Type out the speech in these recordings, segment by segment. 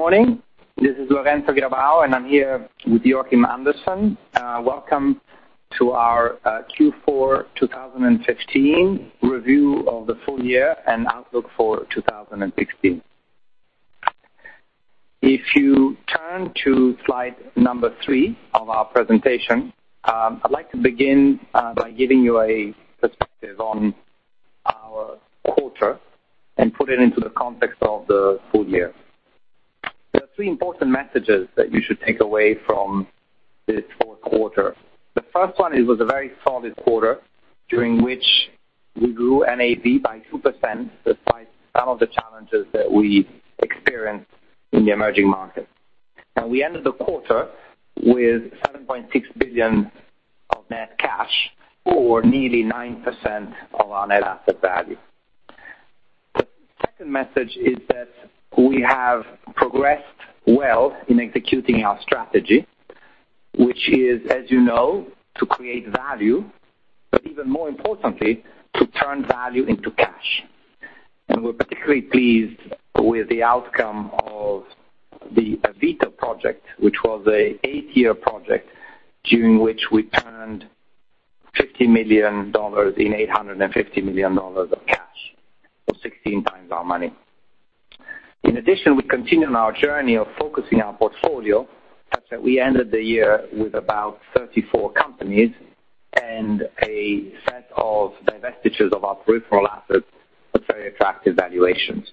Good morning. This is Lorenzo Grabau, and I'm here with Joakim Andersson. Welcome to our Q4 2015 review of the full year and outlook for 2016. If you turn to slide number three of our presentation, I'd like to begin by giving you a perspective on our quarter and put it into the context of the full year. There are three important messages that you should take away from this fourth quarter. The first one, it was a very solid quarter, during which we grew NAV by 2% despite some of the challenges that we experienced in the emerging markets. We ended the quarter with 7.6 billion of net cash, or nearly 9% of our net asset value. The second message is that we have progressed well in executing our strategy, which is, as you know, to create value, but even more importantly, to turn value into cash. We're particularly pleased with the outcome of the Avito project, which was an eight-year project during which we turned SEK 50 million in SEK 850 million of cash, or 16 times our money. In addition, we continued on our journey of focusing our portfolio, such that we ended the year with about 34 companies and a set of divestitures of our peripheral assets with very attractive valuations.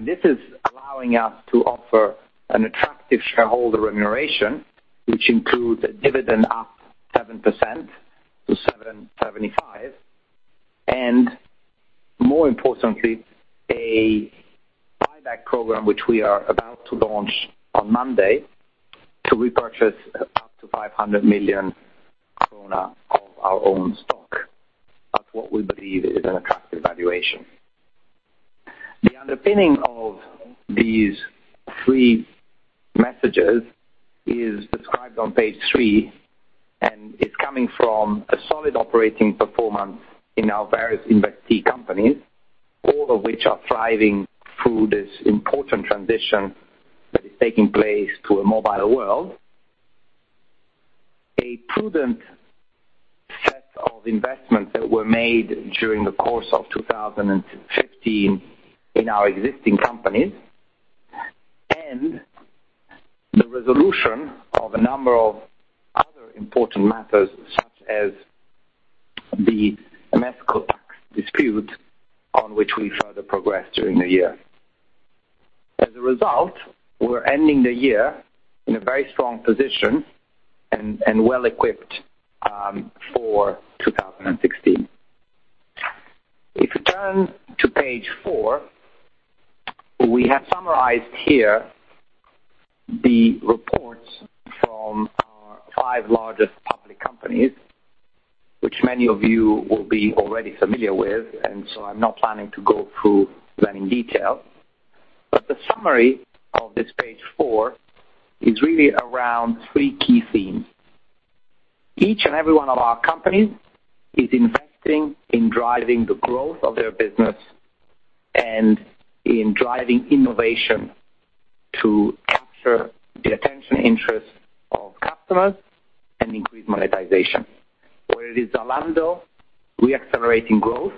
This is allowing us to offer an attractive shareholder remuneration, which includes a dividend up 7% to SEK 7.75, and more importantly, a buyback program which we are about to launch on Monday to repurchase up to 500 million krona of our own stock at what we believe is an attractive valuation. The underpinning of these three messages is described on page three, and it's coming from a solid operating performance in our various investee companies, all of which are thriving through this important transition that is taking place to a mobile world. A prudent set of investments that were made during the course of 2015 in our existing companies, and the resolution of a number of other important matters, such as the Mexcopac dispute, on which we further progressed during the year. As a result, we're ending the year in a very strong position and well-equipped for 2016. If you turn to page four, we have summarized here the reports from our five largest public companies, which many of you will be already familiar with, and so I'm not planning to go through that in detail. The summary of this page four is really around three key themes. Each and every one of our companies is investing in driving the growth of their business and in driving innovation to capture the attention, interest of customers and increase monetization. Where it is Zalando re-accelerating growth,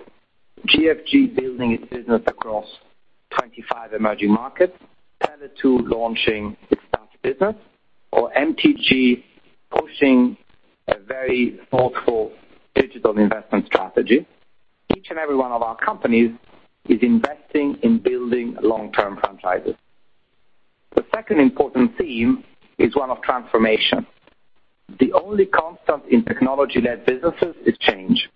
GFG building its business across 25 emerging markets, Tele2 launching its business, or MTG pushing a very thoughtful digital investment strategy. Each and every one of our companies is investing in building long-term franchises. The second important theme is one of transformation. The only constant in technology-led businesses is change,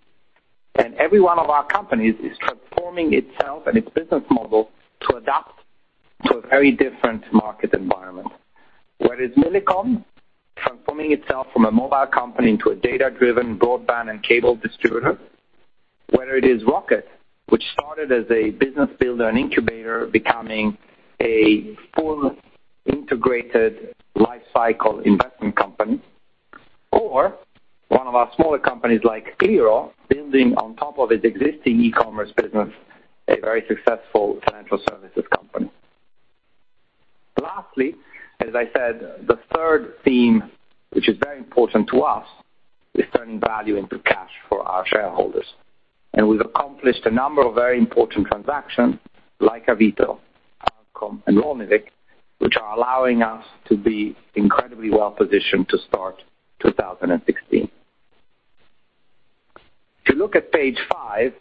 and every one of our companies is transforming itself and its business model to adapt to a very different market environment. Where it is Millicom transforming itself from a mobile company into a data-driven broadband and cable distributor, whether it is Rocket, which started as a business builder and incubator, becoming a full integrated life cycle investment company, or one of our smaller companies like Qliro, building on top of its existing e-commerce business, a very successful financial services company. As I said, the third theme, which is very important to us, is turning value into cash for our shareholders. We've accomplished a number of very important transactions like Avito, outcome, and Rolynvik, which are allowing us to be incredibly well-positioned to start 2016. If you look at page five,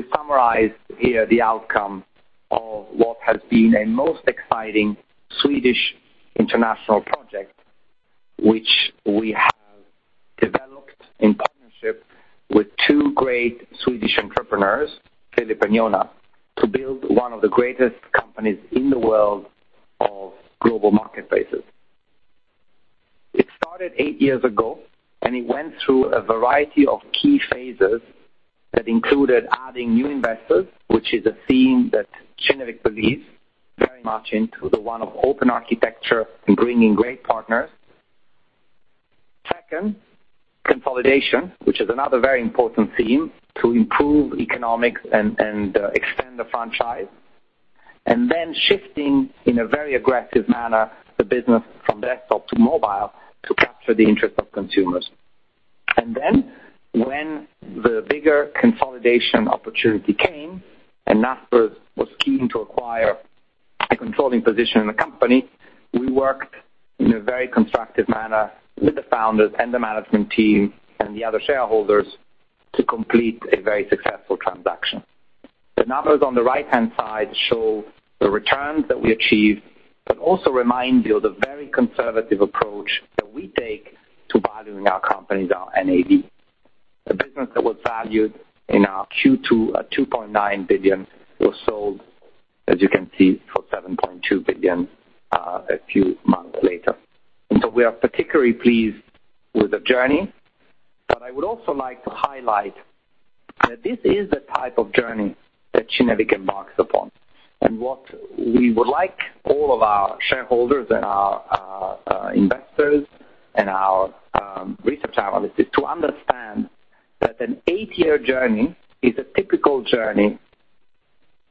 we summarize here the outcome of what has been a most exciting Swedish international project, which we have developed in partnership with two great Swedish entrepreneurs, Filip and Jonas, to build one of the greatest companies in the world of global marketplaces. It started eight years ago, and it went through a variety of key phases that included adding new investors, which is a theme that Kinnevik believes very much into, the one of open architecture and bringing great partners. Second, consolidation, which is another very important theme to improve economics and extend the franchise. Shifting in a very aggressive manner, the business from desktop to mobile to capture the interest of consumers. When the bigger consolidation opportunity came, and Naspers was keen to acquire a controlling position in the company, we worked in a very constructive manner with the founders and the management team and the other shareholders to complete a very successful transaction. The numbers on the right-hand side show the returns that we achieved, but also remind you of the very conservative approach that we take to valuing our companies, our NAV. The business that was valued in our Q2 at 2.9 billion was sold, as you can see, for 7.2 billion a few months later. We are particularly pleased with the journey, but I would also like to highlight that this is the type of journey that Kinnevik embarks upon. What we would like all of our shareholders and our investors and our research analysts is to understand that an eight-year journey is a typical journey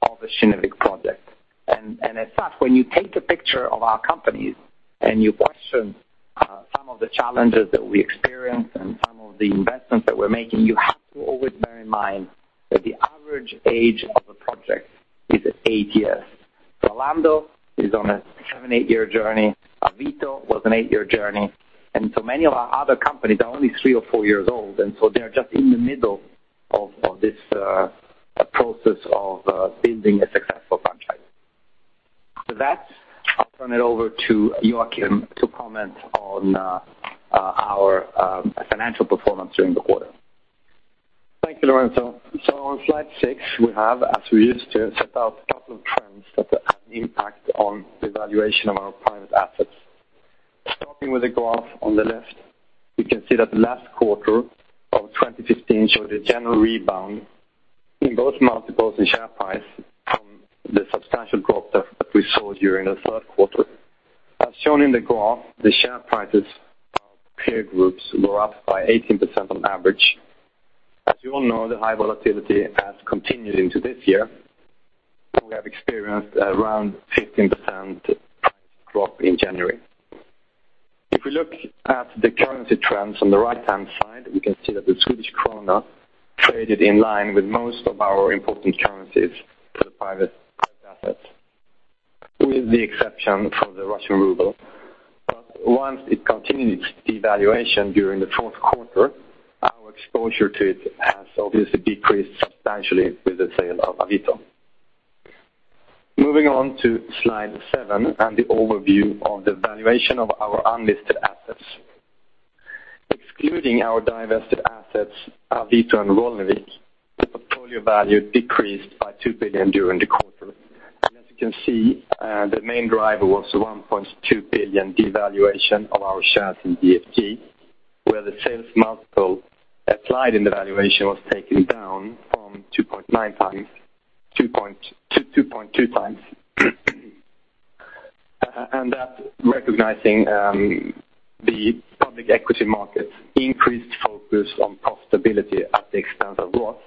of a Kinnevik project. As such, when you take a picture of our companies and you question some of the challenges that we experience and some of the investments that we're making, you have to always bear in mind that the average age of a project is eight years. Zalando is on a seven, eight-year journey. Avito was an eight-year journey. Many of our other companies are only three or four years old, and so they're just in the middle of this process of building a successful franchise. With that, I'll turn it over to Joakim to comment on our financial performance during the quarter. Thank you, Lorenzo. On slide six, we have, as we used to, set out a couple of trends that have had an impact on the valuation of our private assets. Starting with the graph on the left, we can see that the last quarter of 2015 showed a general rebound in both multiples and share price from the substantial drop that we saw during the third quarter. As shown in the graph, the share prices of peer groups were up by 18% on average. As you all know, the high volatility has continued into this year, and we have experienced around 15% price drop in January. If we look at the currency trends on the right-hand side, we can see that the Swedish krona traded in line with most of our important currencies for the private assets, with the exception for the Russian ruble. Once it continued its devaluation during the fourth quarter, our exposure to it has obviously decreased substantially with the sale of Avito. Moving on to slide seven and the overview of the valuation of our unlisted assets. Excluding our divested assets, Avito and Volevik, the portfolio value decreased by 2 billion during the quarter. As you can see, the main driver was the 1.2 billion devaluation of our shares in GFG, where the sales multiple applied in the valuation was taken down from 2.9x to 2.2x. That recognizing the public equity market increased focus on profitability at the expense of growth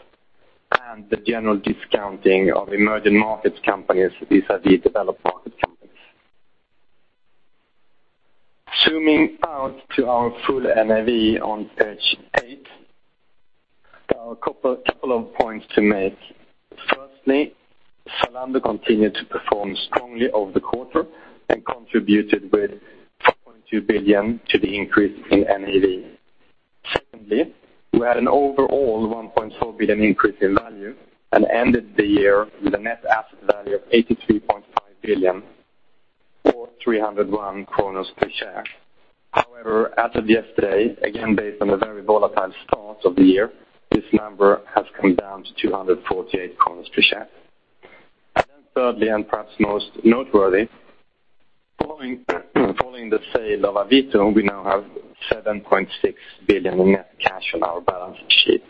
and the general discounting of emerging markets companies vis-a-vis developed market companies. Zooming out to our full NAV on page eight, there are a couple of points to make. Firstly, Zalando continued to perform strongly over the quarter and contributed with 4.2 billion to the increase in NAV. Secondly, we had an overall 1.4 billion increase in value and ended the year with a net asset value of 83.5 billion or 301 per share. However, as of yesterday, again, based on a very volatile start of the year, this number has come down to 248 per share. Thirdly, and perhaps most noteworthy, following the sale of Avito, we now have 7.6 billion in net cash on our balance sheet,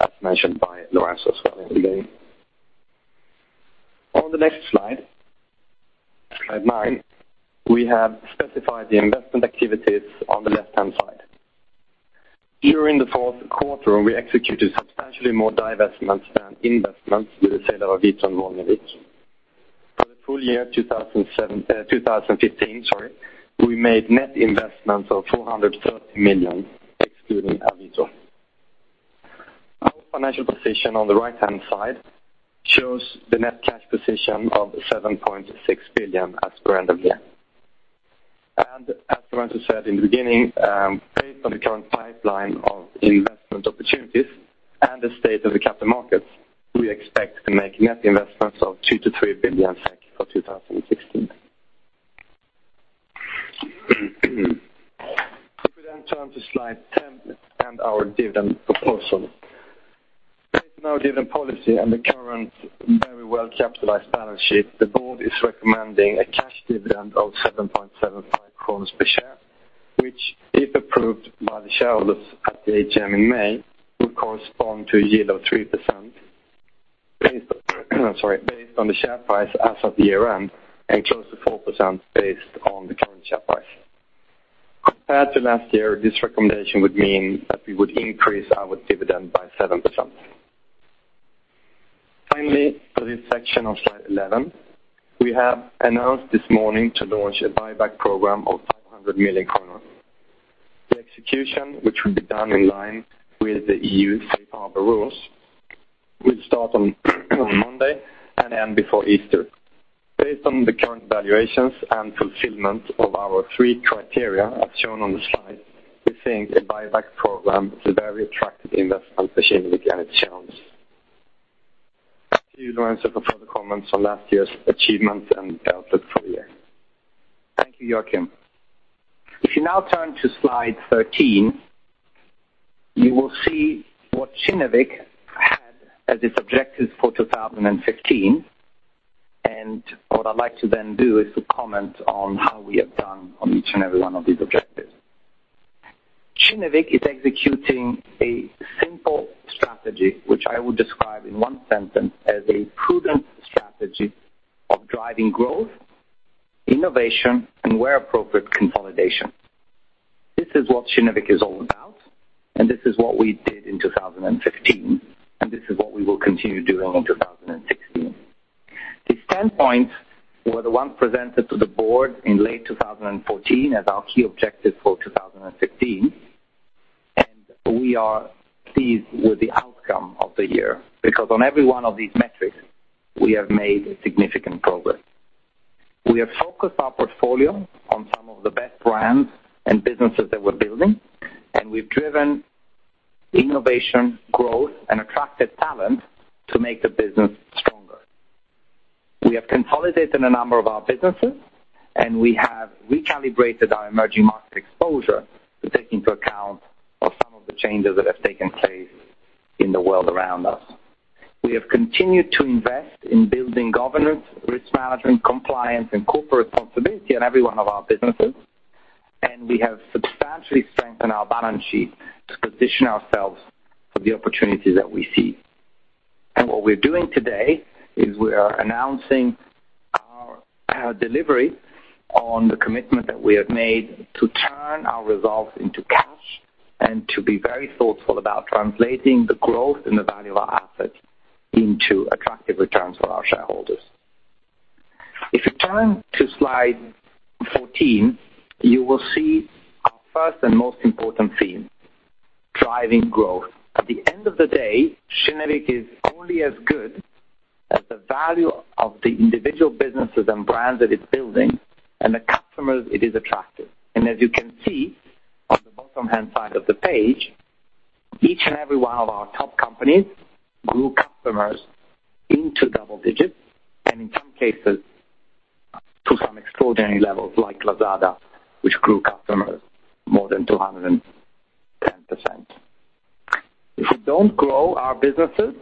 as mentioned by Lorenzo as well in the beginning. On the next slide nine, we have specified the investment activities on the left-hand side. During the fourth quarter, we executed substantially more divestments than investments with the sale of Avito and Volevik. For the full year 2015, we made net investments of 430 million, excluding Avito. Our financial position on the right-hand side shows the net cash position of 7.6 billion as per end of year. As Lorenzo said in the beginning, based on the current pipeline of investment opportunities and the state of the capital markets, we expect to make net investments of 2 billion-3 billion SEK for 2016. If we turn to slide 10 and our dividend proposal. Based on our dividend policy and the current very well-capitalized balance sheet, the board is recommending a cash dividend of 7.75 per share, which, if approved by the shareholders at the AGM in May, would correspond to a yield of 3%. Based on the share price as of year-end, and close to 4% based on the current share price. Compared to last year, this recommendation would mean that we would increase our dividend by 7%. Finally, for this section on slide 11, we have announced this morning to launch a buyback program of 500 million kronor. The execution, which will be done in line with the EU safe harbor rules, will start on Monday and end before Easter. Based on the current valuations and fulfillment of our three criteria, as shown on the slide, we think a buyback program is a very attractive investment for Kinnevik and its shareholders. Back to you, Lorenzo, for further comments on last year's achievements and outlook for the year. Thank you, Joakim. If you now turn to slide 13, you will see what Kinnevik had as its objectives for 2015. What I'd like to then do is to comment on how we have done on each and every one of these objectives. Kinnevik is executing a simple strategy, which I would describe in one sentence as a prudent strategy of driving growth, innovation, and where appropriate, consolidation. This is what Kinnevik is all about. This is what we did in 2015, and this is what we will continue doing in 2016. These 10 points were the ones presented to the board in late 2014 as our key objectives for 2015. We are pleased with the outcome of the year, because on every one of these metrics, we have made significant progress. We have focused our portfolio on some of the best brands and businesses that we're building, and we've driven innovation, growth, and attracted talent to make the business stronger. We have consolidated a number of our businesses, and we have recalibrated our emerging market exposure to take into account of some of the changes that have taken place in the world around us. We have continued to invest in building governance, risk management, compliance, and corporate responsibility in every one of our businesses. We have substantially strengthened our balance sheet to position ourselves for the opportunities that we see. What we're doing today is we are announcing our delivery on the commitment that we have made to turn our results into cash, and to be very thoughtful about translating the growth and the value of our assets into attractive returns for our shareholders. If you turn to slide 14, you will see our first and most important theme, driving growth. At the end of the day, Kinnevik is only as good as the value of the individual businesses and brands that it's building and the customers it is attracting. As you can see on the bottom hand side of the page, each and every one of our top companies grew customers into double digits, and in some cases, to some extraordinary levels like Lazada, which grew customers more than 210%. If we don't grow our businesses,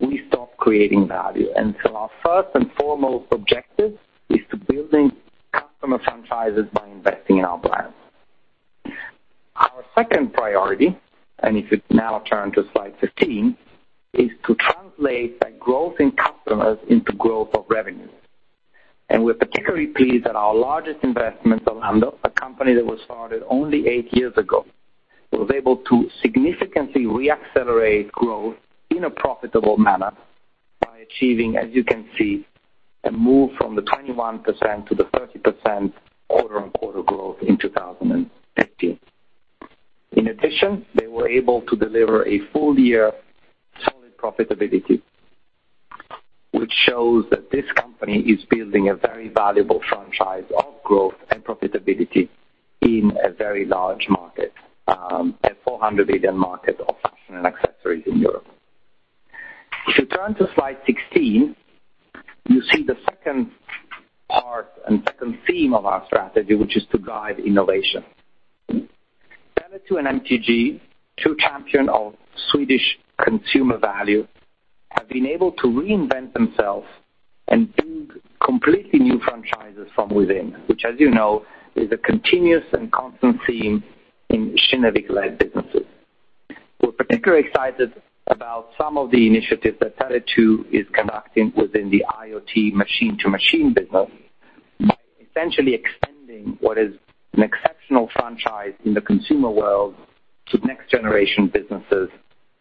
we stop creating value. Our first and foremost objective is to building customer franchises by investing in our brands. Our second priority, and if you now turn to slide 15, is to translate that growth in customers into growth of revenue. We're particularly pleased that our largest investment, Zalando, a company that was started only eight years ago, was able to significantly re-accelerate growth in a profitable manner by achieving, as you can see, a move from the 21% to the 30% quarter-on-quarter growth in 2018. In addition, they were able to deliver a full year solid profitability, which shows that this company is building a very valuable franchise of growth and profitability in a very large market, a 400 million market of fashion and accessories in Europe. If you turn to slide 16, you see the second part and second theme of our strategy, which is to guide innovation. Tele2 and MTG, two champion of Swedish consumer value, have been able to reinvent themselves and build completely new franchises from within, which as you know, is a continuous and constant theme in Kinnevik-led businesses. We're particularly excited about some of the initiatives that Tele2 is conducting within the IoT machine-to-machine business by essentially extending what is an exceptional franchise in the consumer world to next generation businesses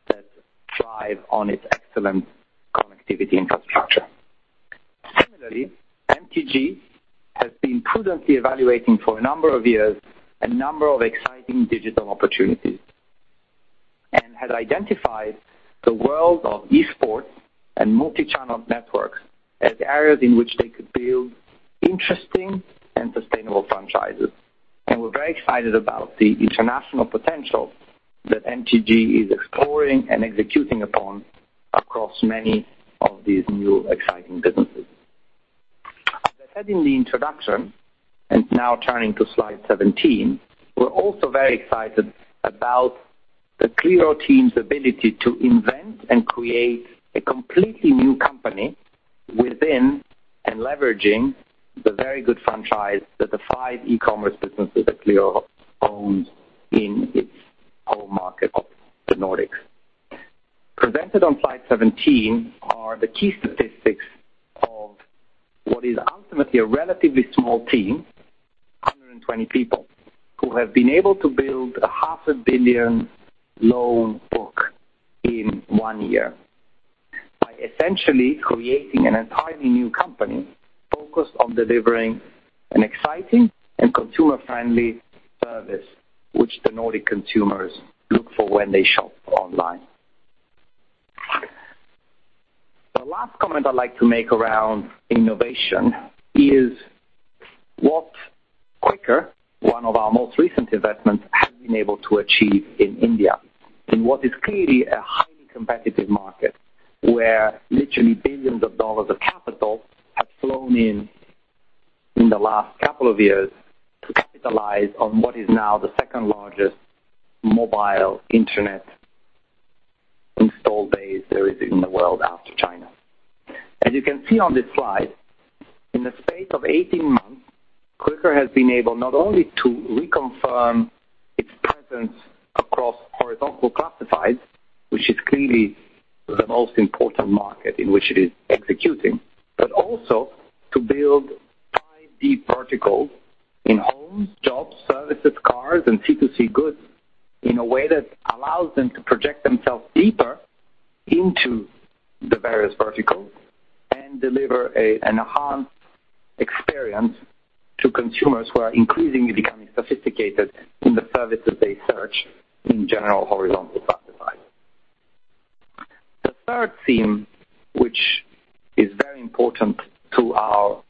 that thrive on its excellent connectivity infrastructure. Similarly, MTG has been prudently evaluating for a number of years a number of exciting digital opportunities, has identified the world of e-sports and multi-channel networks as areas in which they could build interesting and sustainable franchises. We're very excited about the international potential that MTG is exploring and executing upon across many of these new, exciting businesses. As I said in the introduction, now turning to slide 17, we're also very excited about the Qliro team's ability to invent and create a completely new company within and leveraging the very good franchise that the five e-commerce businesses that Qliro owns in its Market of the Nordics. Presented on slide 17 are the key statistics of what is ultimately a relatively small team, 120 people, who have been able to build a half a billion loan book in one year by essentially creating an entirely new company focused on delivering an exciting and consumer-friendly service, which the Nordic consumers look for when they shop online. The last comment I'd like to make around innovation is what Quikr, one of our most recent investments, has been able to achieve in India, in what is clearly a highly competitive market, where literally billions of SEK of capital have flown in in the last couple of years to capitalize on what is now the second largest mobile internet install base there is in the world after China. As you can see on this slide, in the space of 18 months, Quikr has been able not only to reconfirm its presence across horizontal classifieds, which is clearly the most important market in which it is executing, but also to build five deep verticals in homes, jobs, services, cars, and C2C goods in a way that allows them to project themselves deeper into the various verticals and deliver an enhanced experience to consumers who are increasingly becoming sophisticated in the services they search in general horizontal classifieds. The third theme, which is very important to our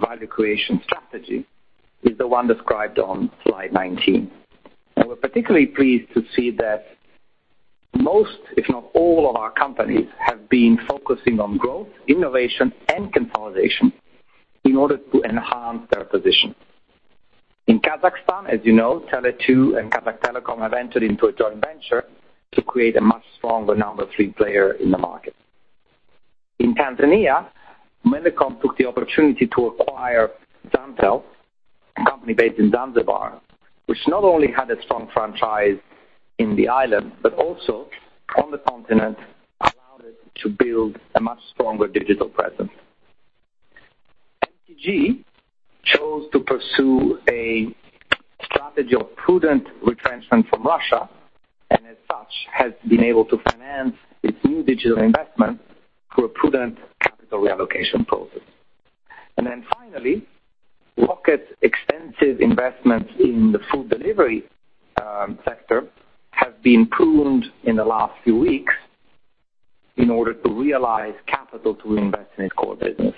value creation strategy, is the one described on slide 19. We're particularly pleased to see that most, if not all of our companies have been focusing on growth, innovation, and consolidation in order to enhance their position. In Kazakhstan, as you know, Tele2 and Kazakhtelecom have entered into a joint venture to create a much stronger number three player in the market. In Tanzania, Millicom took the opportunity to acquire Zantel, a company based in Zanzibar, which not only had a strong franchise in the island, but also on the continent, allowed it to build a much stronger digital presence. MTG chose to pursue a strategy of prudent retrenchment from Russia, has been able to finance its new digital investment through a prudent capital reallocation process. Finally, Rocket's extensive investments in the food delivery sector have been pruned in the last few weeks in order to realize capital to invest in its core business.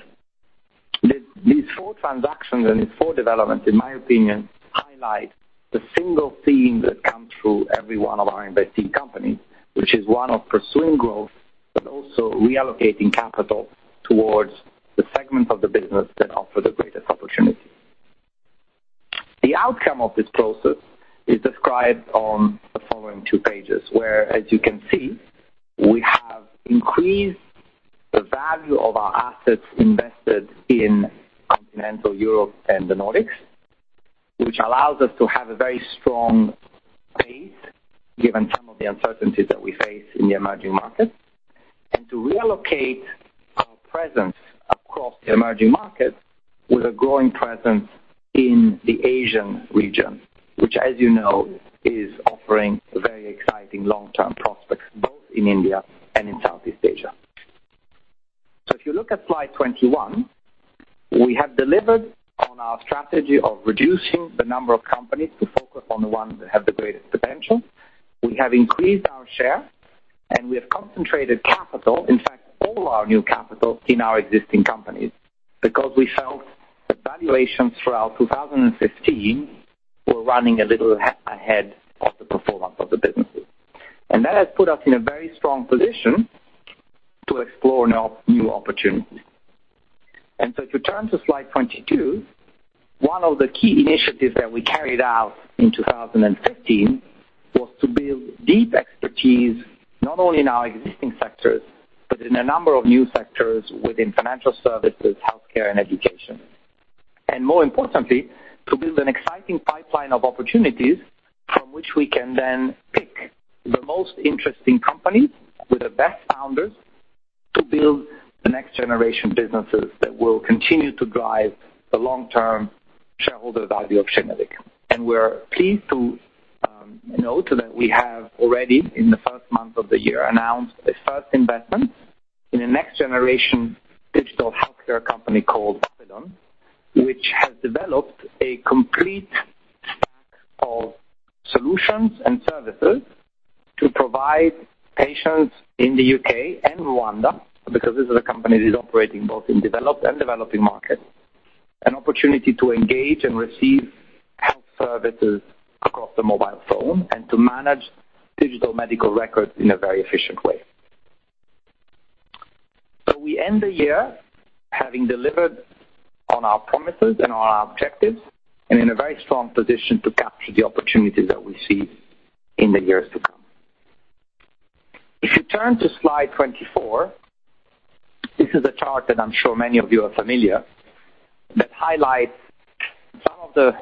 These four transactions and these four developments, in my opinion, highlight the single theme that comes through every one of our investee companies, which is one of pursuing growth, but also reallocating capital towards the segment of the business that offer the greatest opportunity. The outcome of this process is described on the following two pages, where, as you can see, we have increased the value of our assets invested in continental Europe and the Nordics, which allows us to have a very strong base given some of the uncertainties that we face in the emerging markets. To relocate our presence across the emerging markets with a growing presence in the Asian region, which, as you know, is offering very exciting long-term prospects both in India and in Southeast Asia. If you look at slide 21, we have delivered on our strategy of reducing the number of companies to focus on the ones that have the greatest potential. We have increased our share, and we have concentrated capital, in fact, all our new capital in our existing companies because we felt the valuations throughout 2015 were running a little ahead of the performance of the businesses. That has put us in a very strong position to explore now new opportunities. If you turn to slide 22, one of the key initiatives that we carried out in 2015 was to build deep expertise, not only in our existing sectors, but in a number of new sectors within financial services, healthcare, and education. More importantly, to build an exciting pipeline of opportunities from which we can then pick the most interesting companies with the best founders to build the next generation businesses that will continue to drive the long-term shareholder value of Kinnevik. We're pleased to note that we have already, in the first month of the year, announced a first investment in a next generation digital healthcare company called Babylon Health, which has developed a complete stack of solutions and services to provide patients in the U.K. and Rwanda, because this is a company that is operating both in developed and developing markets, an opportunity to engage and receive health services across the mobile phone and to manage digital medical records in a very efficient way. We end the year having delivered on our promises and on our objectives and in a very strong position to capture the opportunities that we see in the years to come. Return to slide 24. This is a chart that I am sure many of you are familiar, that highlights some of the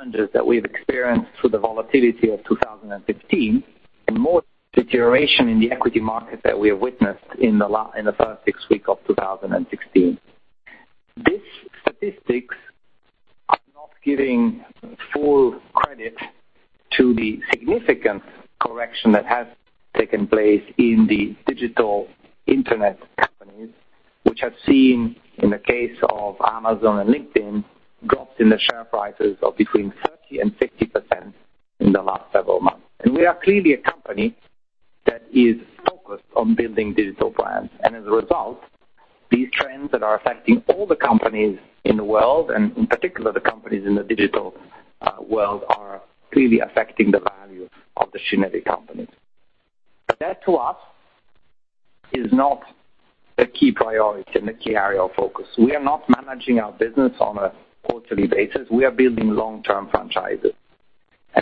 challenges that we have experienced through the volatility of 2015, and more deterioration in the equity market that we have witnessed in the first six weeks of 2016. These statistics are not giving full credit to the significant correction that has taken place in the digital internet companies, which have seen, in the case of Amazon and LinkedIn, drops in the share prices of between 30% and 50% in the last several months. We are clearly a company that is focused on building digital brands. As a result, these trends that are affecting all the companies in the world, and in particular, the companies in the digital world, are clearly affecting the value of the Kinnevik companies. But that, to us, is not the key priority and the key area of focus. We are not managing our business on a quarterly basis. We are building long-term franchises.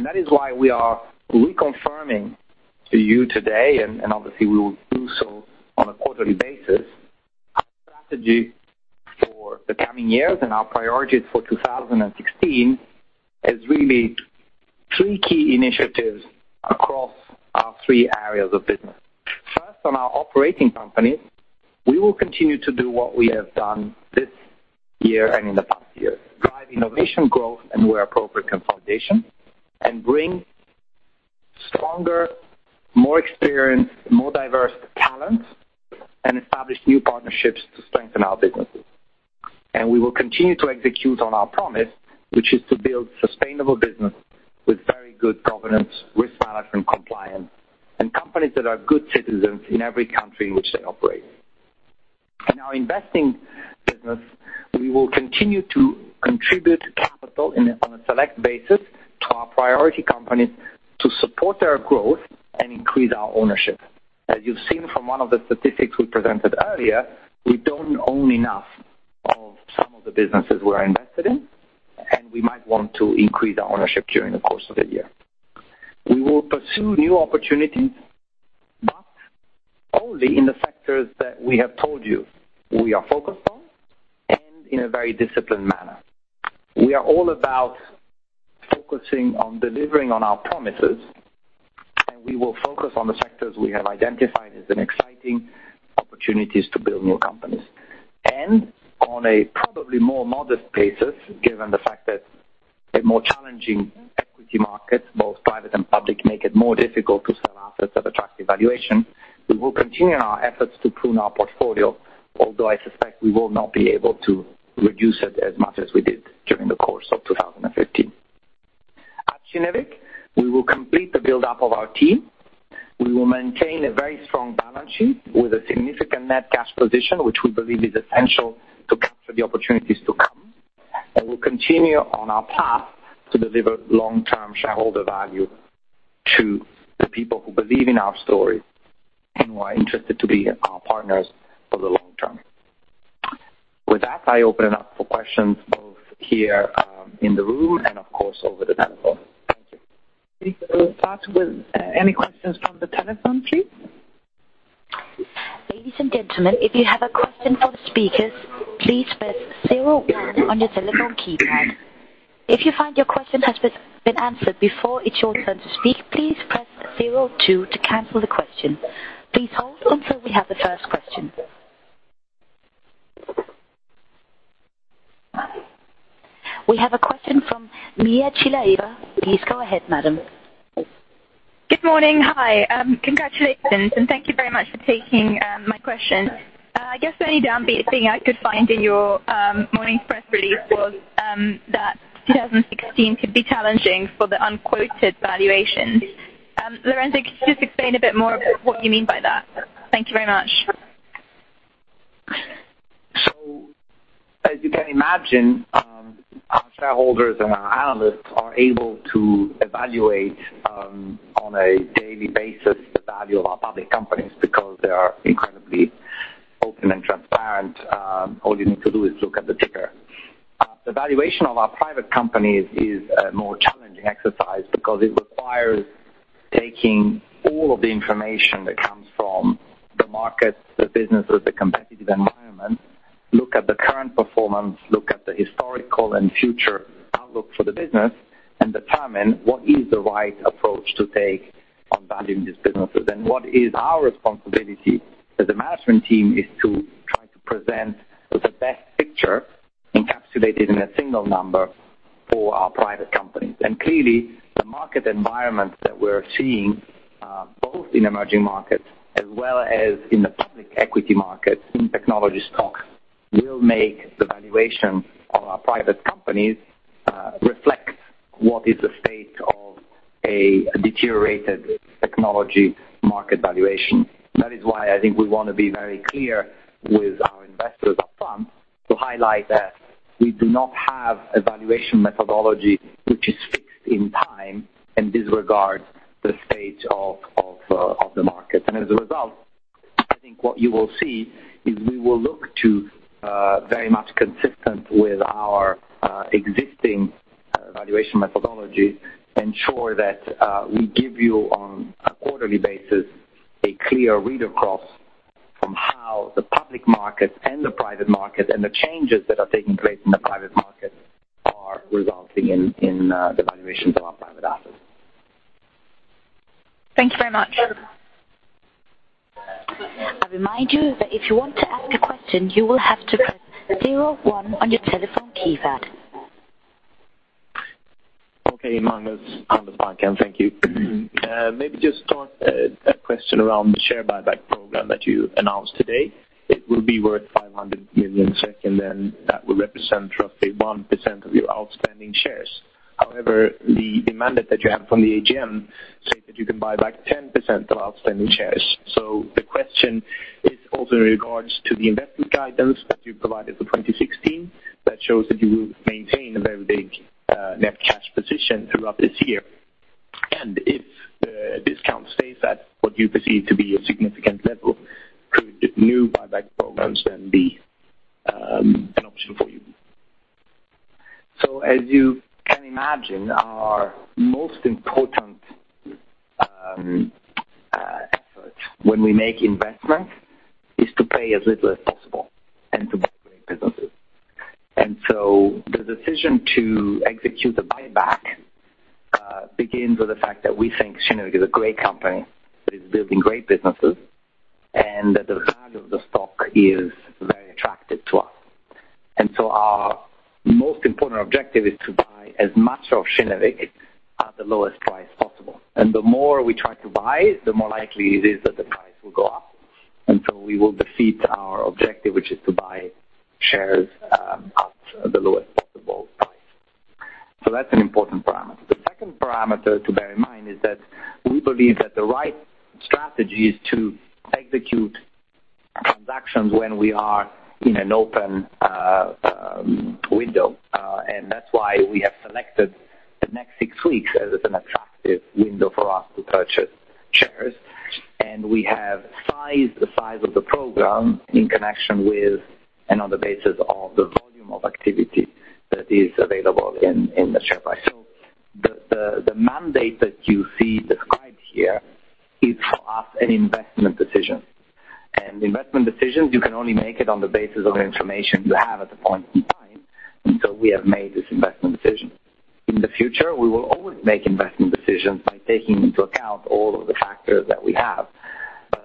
That is why we are reconfirming to you today, and obviously we will do so on a quarterly basis, our strategy for the coming years and our priorities for 2016 is really three key initiatives across our three areas of business. First, on our operating companies, we will continue to do what we have done this year and in the past year, drive innovation growth and where appropriate consolidation, and bring stronger, more experienced, more diverse talent and establish new partnerships to strengthen our businesses. We will continue to execute on our promise, which is to build sustainable business with very good governance, risk management compliance, and companies that are good citizens in every country in which they operate. In our investing business, we will continue to contribute capital on a select basis to our priority companies to support their growth and increase our ownership. As you have seen from one of the statistics we presented earlier, we don't own enough of some of the businesses we're invested in, and we might want to increase our ownership during the course of the year. We will pursue new opportunities, but only in the sectors that we have told you we are focused on and in a very disciplined manner. We are all about focusing on delivering on our promises, and we will focus on the sectors we have identified as an exciting opportunities to build new companies. On a probably more modest basis, given the fact that a more challenging equity market, both private and public, make it more difficult to sell assets at attractive valuation, we will continue our efforts to prune our portfolio, although I suspect we will not be able to reduce it as much as we did during the course of 2015. At Kinnevik, we will complete the buildup of our team. We will maintain a very strong balance sheet with a significant net cash position, which we believe is essential to capture the opportunities to come. We'll continue on our path to deliver long-term shareholder value to the people who believe in our story and who are interested to be our partners for the long term. With that, I open it up for questions both here in the room and of course, over the telephone. Thank you. We will start with any questions from the telephone, please. Ladies and gentlemen, if you have a question for the speakers, please press zero one on your telephone keypad. If you find your question has been answered before it's your turn to speak, please press zero two to cancel the question. Please hold until we have the first question. We have a question from Mia Chilaiva. Please go ahead, madam. Good morning. Hi. Congratulations. Thank you very much for taking my question. I guess the only downbeat thing I could find in your morning press release was that 2016 could be challenging for the unquoted valuations. Lorenzo, could you just explain a bit more about what you mean by that? Thank you very much. As you can imagine, our shareholders and our analysts are able to evaluate, on a daily basis, the value of our public companies because they are incredibly open and transparent. All you need to do is look at the ticker. The valuation of our private companies is a more challenging exercise because it requires taking all of the information that comes from the markets, the businesses, the competitive environment, look at the current performance, look at the historical and future outlook for the business, and determine what is the right approach to take on valuing these businesses. What is our responsibility as a management team is to try to present the best picture encapsulated in a single number for our private companies. Clearly, the market environment that we're seeing, both in emerging markets as well as in the public equity market in technology stocks, will make the valuation of our private companies reflect what is the state of a deteriorated technology market valuation. That is why I think we want to be very clear with our investors up front to highlight that we do not have a valuation methodology which is fixed in time and disregards the state of the market. As a result I think what you will see is we will look to very much consistent with our existing valuation methodology, ensure that we give you on a quarterly basis a clear read across from how the public market and the private market, and the changes that are taking place in the private market are resulting in the valuations of our private portfolio. Thank you very much. I remind you that if you want to ask a question, you will have to press zero one on your telephone keypad. Okay, Magnus, thank you. Maybe just start a question around the share buyback program that you announced today. It will be worth 500 million, that will represent roughly 1% of your outstanding shares. However, the mandate that you have from the AGM say that you can buy back 10% of outstanding shares. The question is also in regards to the investment guidance that you provided for 2016, that shows that you will maintain a very big net cash position throughout this year. If the discount stays at what you perceive to be a significant level, could new buyback programs then be an option for you? As you can imagine, our most important effort when we make investments is to pay as little as possible and to buy great businesses. The decision to execute a buyback begins with the fact that we think Kinnevik is a great company that is building great businesses, and that the value of the stock is very attractive to us. Our most important objective is to buy as much of Kinnevik at the lowest price possible. The more we try to buy, the more likely it is that the price will go up. We will defeat our objective, which is to buy shares at the lowest possible price. That's an important parameter. The second parameter to bear in mind is that we believe that the right strategy is to execute transactions when we are in an open window. That's why we have selected the next six weeks as an attractive window for us to purchase shares. We have sized the size of the program in connection with and on the basis of the volume of activity that is available in the share price. The mandate that you see described here is for us an investment decision. Investment decisions, you can only make it on the basis of the information you have at the point in time. We have made this investment decision. In the future, we will always make investment decisions by taking into account all of the factors that we have.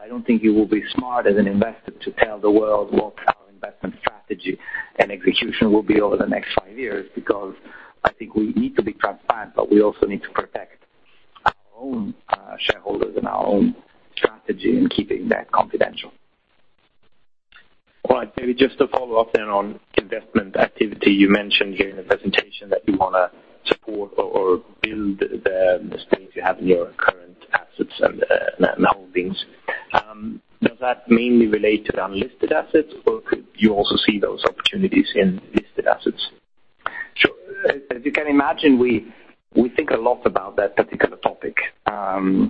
I don't think you will be smart as an investor to tell the world what our investment strategy and execution will be over the next five years, because I think we need to be transparent, but we also need to protect our own shareholders and our own strategy in keeping that confidential. Maybe just to follow up on investment activity, you mentioned here in the presentation that you want to support or build the strength you have in your current assets and holdings. Does that mainly relate to unlisted assets, or could you also see those opportunities in listed assets? Sure. As you can imagine, we think a lot about that particular topic,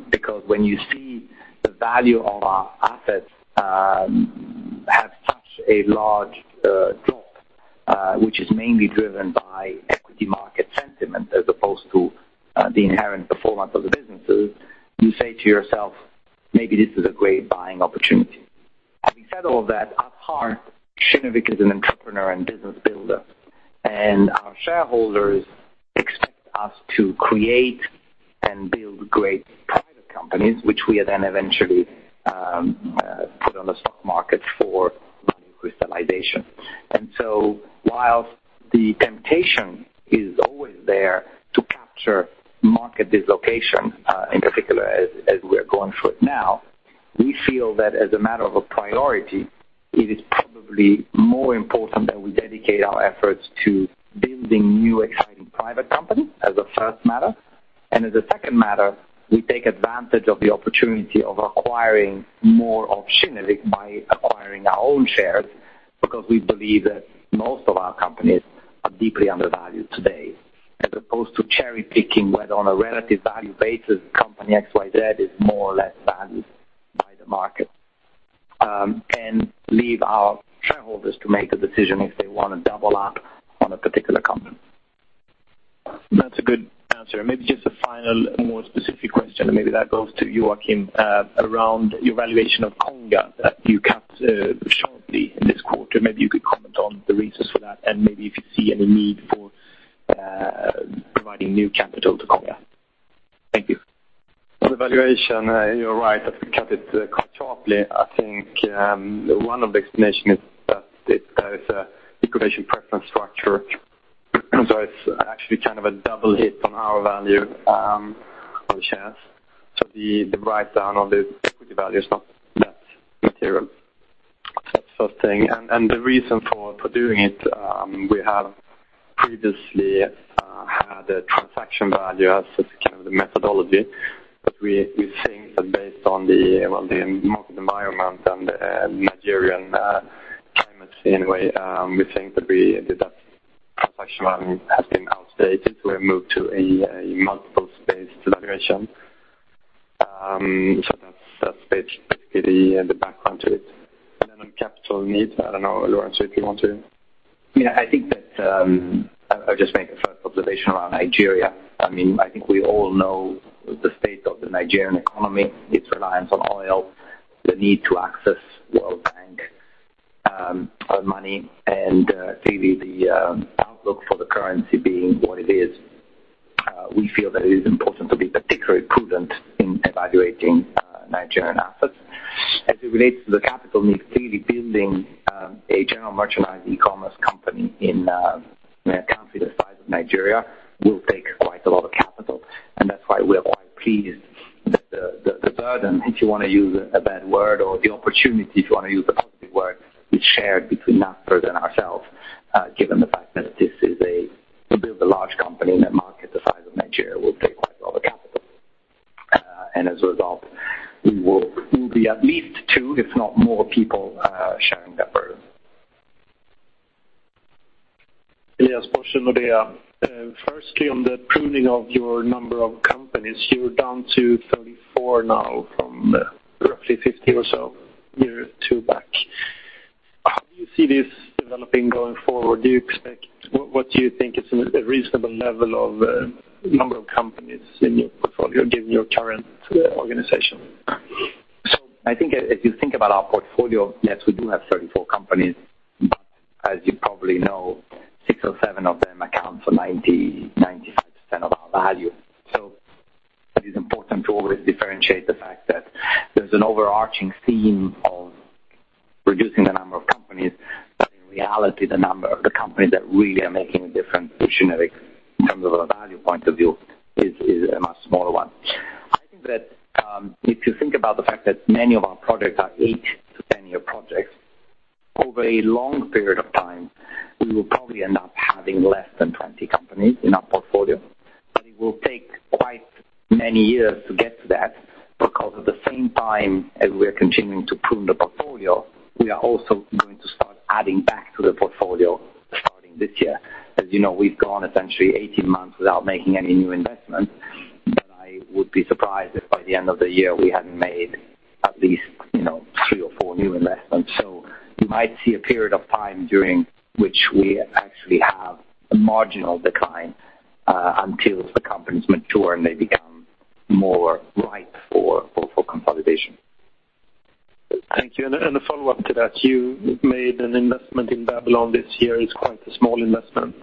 because when you see the value of our assets have such a large drop which is mainly driven by equity market sentiment as opposed to the inherent performance of the businesses, you say to yourself, "Maybe this is a great buying opportunity." Having said all that, at heart, Kinnevik is an entrepreneur and business builder, our shareholders expect us to create and build great private companies, which we then eventually put on the stock market for value crystallization. While the temptation is always there to capture market dislocation, in particular as we are going through it now, we feel that as a matter of a priority, it is probably more important that we dedicate our efforts to building new exciting private companies as a first matter. As a second matter, we take advantage of the opportunity of acquiring more of Kinnevik by acquiring our own shares, because we believe that most of our companies are deeply undervalued today, as opposed to cherry-picking whether on a relative value basis, company XYZ is more or less valued by the market, and leave our shareholders to make a decision if they want to double up on a particular company. That's a good answer. Maybe just a final, more specific question, and maybe that goes to you, Joakim, around your valuation of Konga that you capped sharply in this quarter. Maybe you could comment on the reasons for that, and maybe if you see any need for providing new capital to Konga. Thank you. On the valuation, you're right. I've cut it quite sharply. I think one of the explanations is that there is a liquidation preference structure, so it's actually kind of a double hit on our value on the shares. The write down on the equity value is not that material. That's the first thing. The reason for doing it, we have previously had a transaction value as the methodology, but we think that based on the market environment and Nigeria, we think that we did that 1.1 has been outdated, so we moved to a multiple-based evaluation. That's basically the background to it. On capital needs, I don't know, Lorenzo, if you want to. Yeah, I think that I'll just make a first observation around Nigeria. I think we all know the state of the Nigerian economy, its reliance on oil, clearly the outlook for the currency being what it is, we feel that it is important to be particularly prudent in evaluating Nigerian assets. As it relates to the capital needs, clearly building a general merchandise e-commerce company in a country the size of Nigeria will take quite a lot of capital. That's why we are quite pleased that the burden, if you want to use a bad word, or the opportunity, if you want to use a positive word, is shared between Naspers and ourselves, given the fact that to build a large company in a market the size of Nigeria will take quite a lot of capital. As a result, we will be at least two, if not more people, sharing that burden. Yes, Firstly, on the pruning of your number of companies, you're down to 34 now from roughly 50 or so a year or two back. How do you see this developing going forward? What do you think is a reasonable level of number of companies in your portfolio given your current organization? I think if you think about our portfolio, yes, we do have 34 companies. As you probably know, six or seven of them account for 90%, 95% of our value. It is important to always differentiate the fact that there is an overarching theme of reducing the number of companies. In reality, the number of the companies that really are making a difference for Kinnevik in terms of a value point of view is a much smaller one. I think that, if you think about the fact that many of our projects are each 10-year projects, over a long period of time, we will probably end up having less than 20 companies in our portfolio. It will take quite many years to get to that because at the same time as we are continuing to prune the portfolio, we are also going to start adding back to the portfolio starting this year. As you know, we have gone essentially 18 months without making any new investments, I would be surprised if by the end of the year, we had not made at least three or four new investments. You might see a period of time during which we actually have a marginal decline until the companies mature, and they become more ripe for consolidation. Thank you. A follow-up to that, you made an investment in Babylon this year. It is quite a small investment.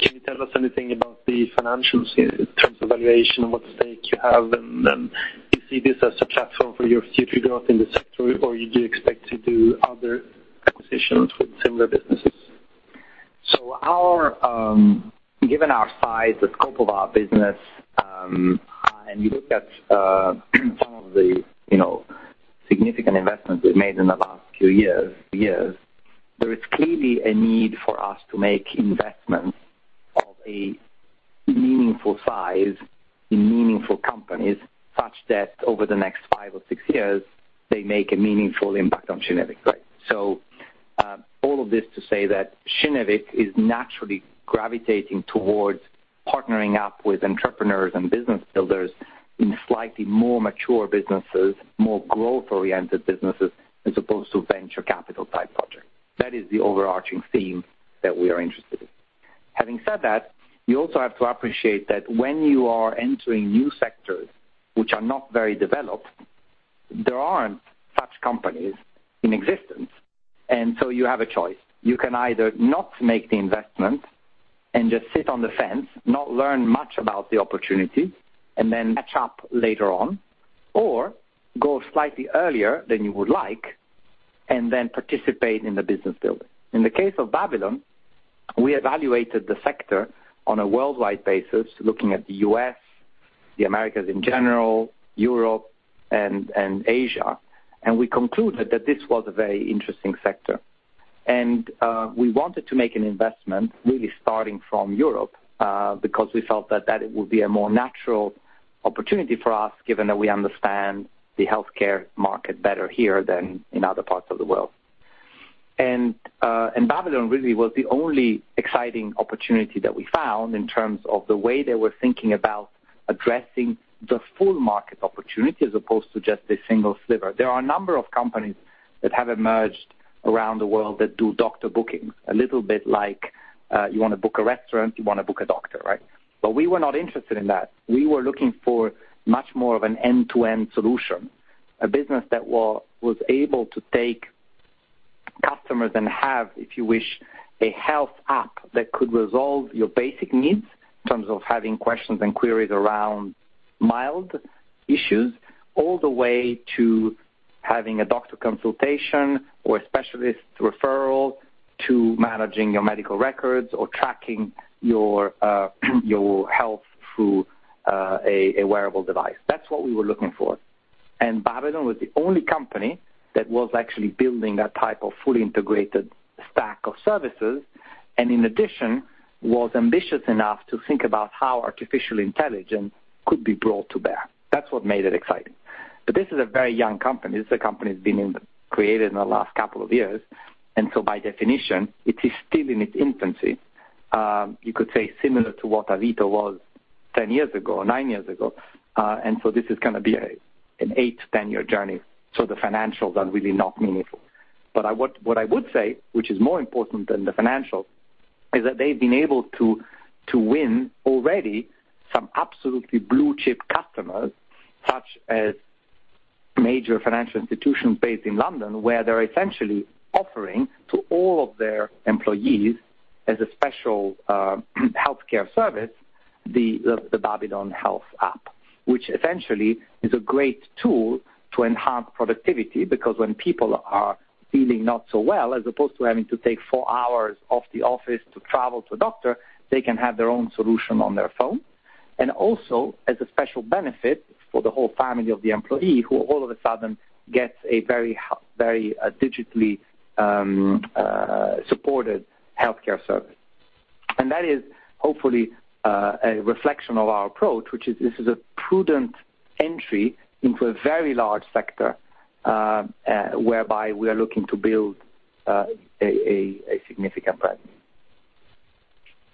Can you tell us anything about the financials in terms of valuation and what stake you have, do you see this as a platform for your future growth in this sector, or do you expect to do other acquisitions with similar businesses? Given our size, the scope of our business, and you look at some of the significant investments we have made in the last few years, there is clearly a need for us to make investments of a meaningful size in meaningful companies such that over the next five or six years, they make a meaningful impact on Kinnevik. All of this to say that Kinnevik is naturally gravitating towards partnering up with entrepreneurs and business builders in slightly more mature businesses, more growth-oriented businesses, as opposed to venture capital type projects. That is the overarching theme that we are interested in. Having said that, you also have to appreciate that when you are entering new sectors which are not very developed, there are not such companies in existence. You have a choice. You can either not make the investment and just sit on the fence, not learn much about the opportunity, then catch up later on, or go slightly earlier than you would like then participate in the business building. In the case of Babylon, we evaluated the sector on a worldwide basis, looking at the U.S., the Americas in general, Europe, and Asia. We concluded that this was a very interesting sector. We wanted to make an investment really starting from Europe, because we felt that that would be a more natural opportunity for us, given that we understand the healthcare market better here than in other parts of the world. Babylon really was the only exciting opportunity that we found in terms of the way they were thinking about addressing the full market opportunity, as opposed to just a single sliver. There are a number of companies that have emerged around the world that do doctor bookings, a little bit like you want to book a restaurant, you want to book a doctor. We were not interested in that. We were looking for much more of an end-to-end solution, a business that was able to take customers and have, if you wish, a health app that could resolve your basic needs in terms of having questions and queries around mild issues, all the way to having a doctor consultation or a specialist referral to managing your medical records or tracking your health through a wearable device. That's what we were looking for. Babylon was the only company that was actually building that type of fully integrated stack of services, and in addition, was ambitious enough to think about how artificial intelligence could be brought to bear. That's what made it exciting. This is a very young company. This is a company that's been created in the last couple of years, so by definition, it is still in its infancy. You could say similar to what Avito was 10 years ago or nine years ago. This is going to be an eight to 10-year journey. The financials are really not meaningful. What I would say, which is more important than the financials, is that they've been able to win already some absolutely blue-chip customers, such as major financial institutions based in London, where they're essentially offering to all of their employees as a special healthcare service, the Babylon Health app. Which essentially is a great tool to enhance productivity, because when people are feeling not so well, as opposed to having to take four hours off the office to travel to a doctor, they can have their own solution on their phone. Also, as a special benefit for the whole family of the employee, who all of a sudden gets a very digitally supported healthcare service. That is hopefully a reflection of our approach, which is this is a prudent entry into a very large sector, whereby we are looking to build a significant brand.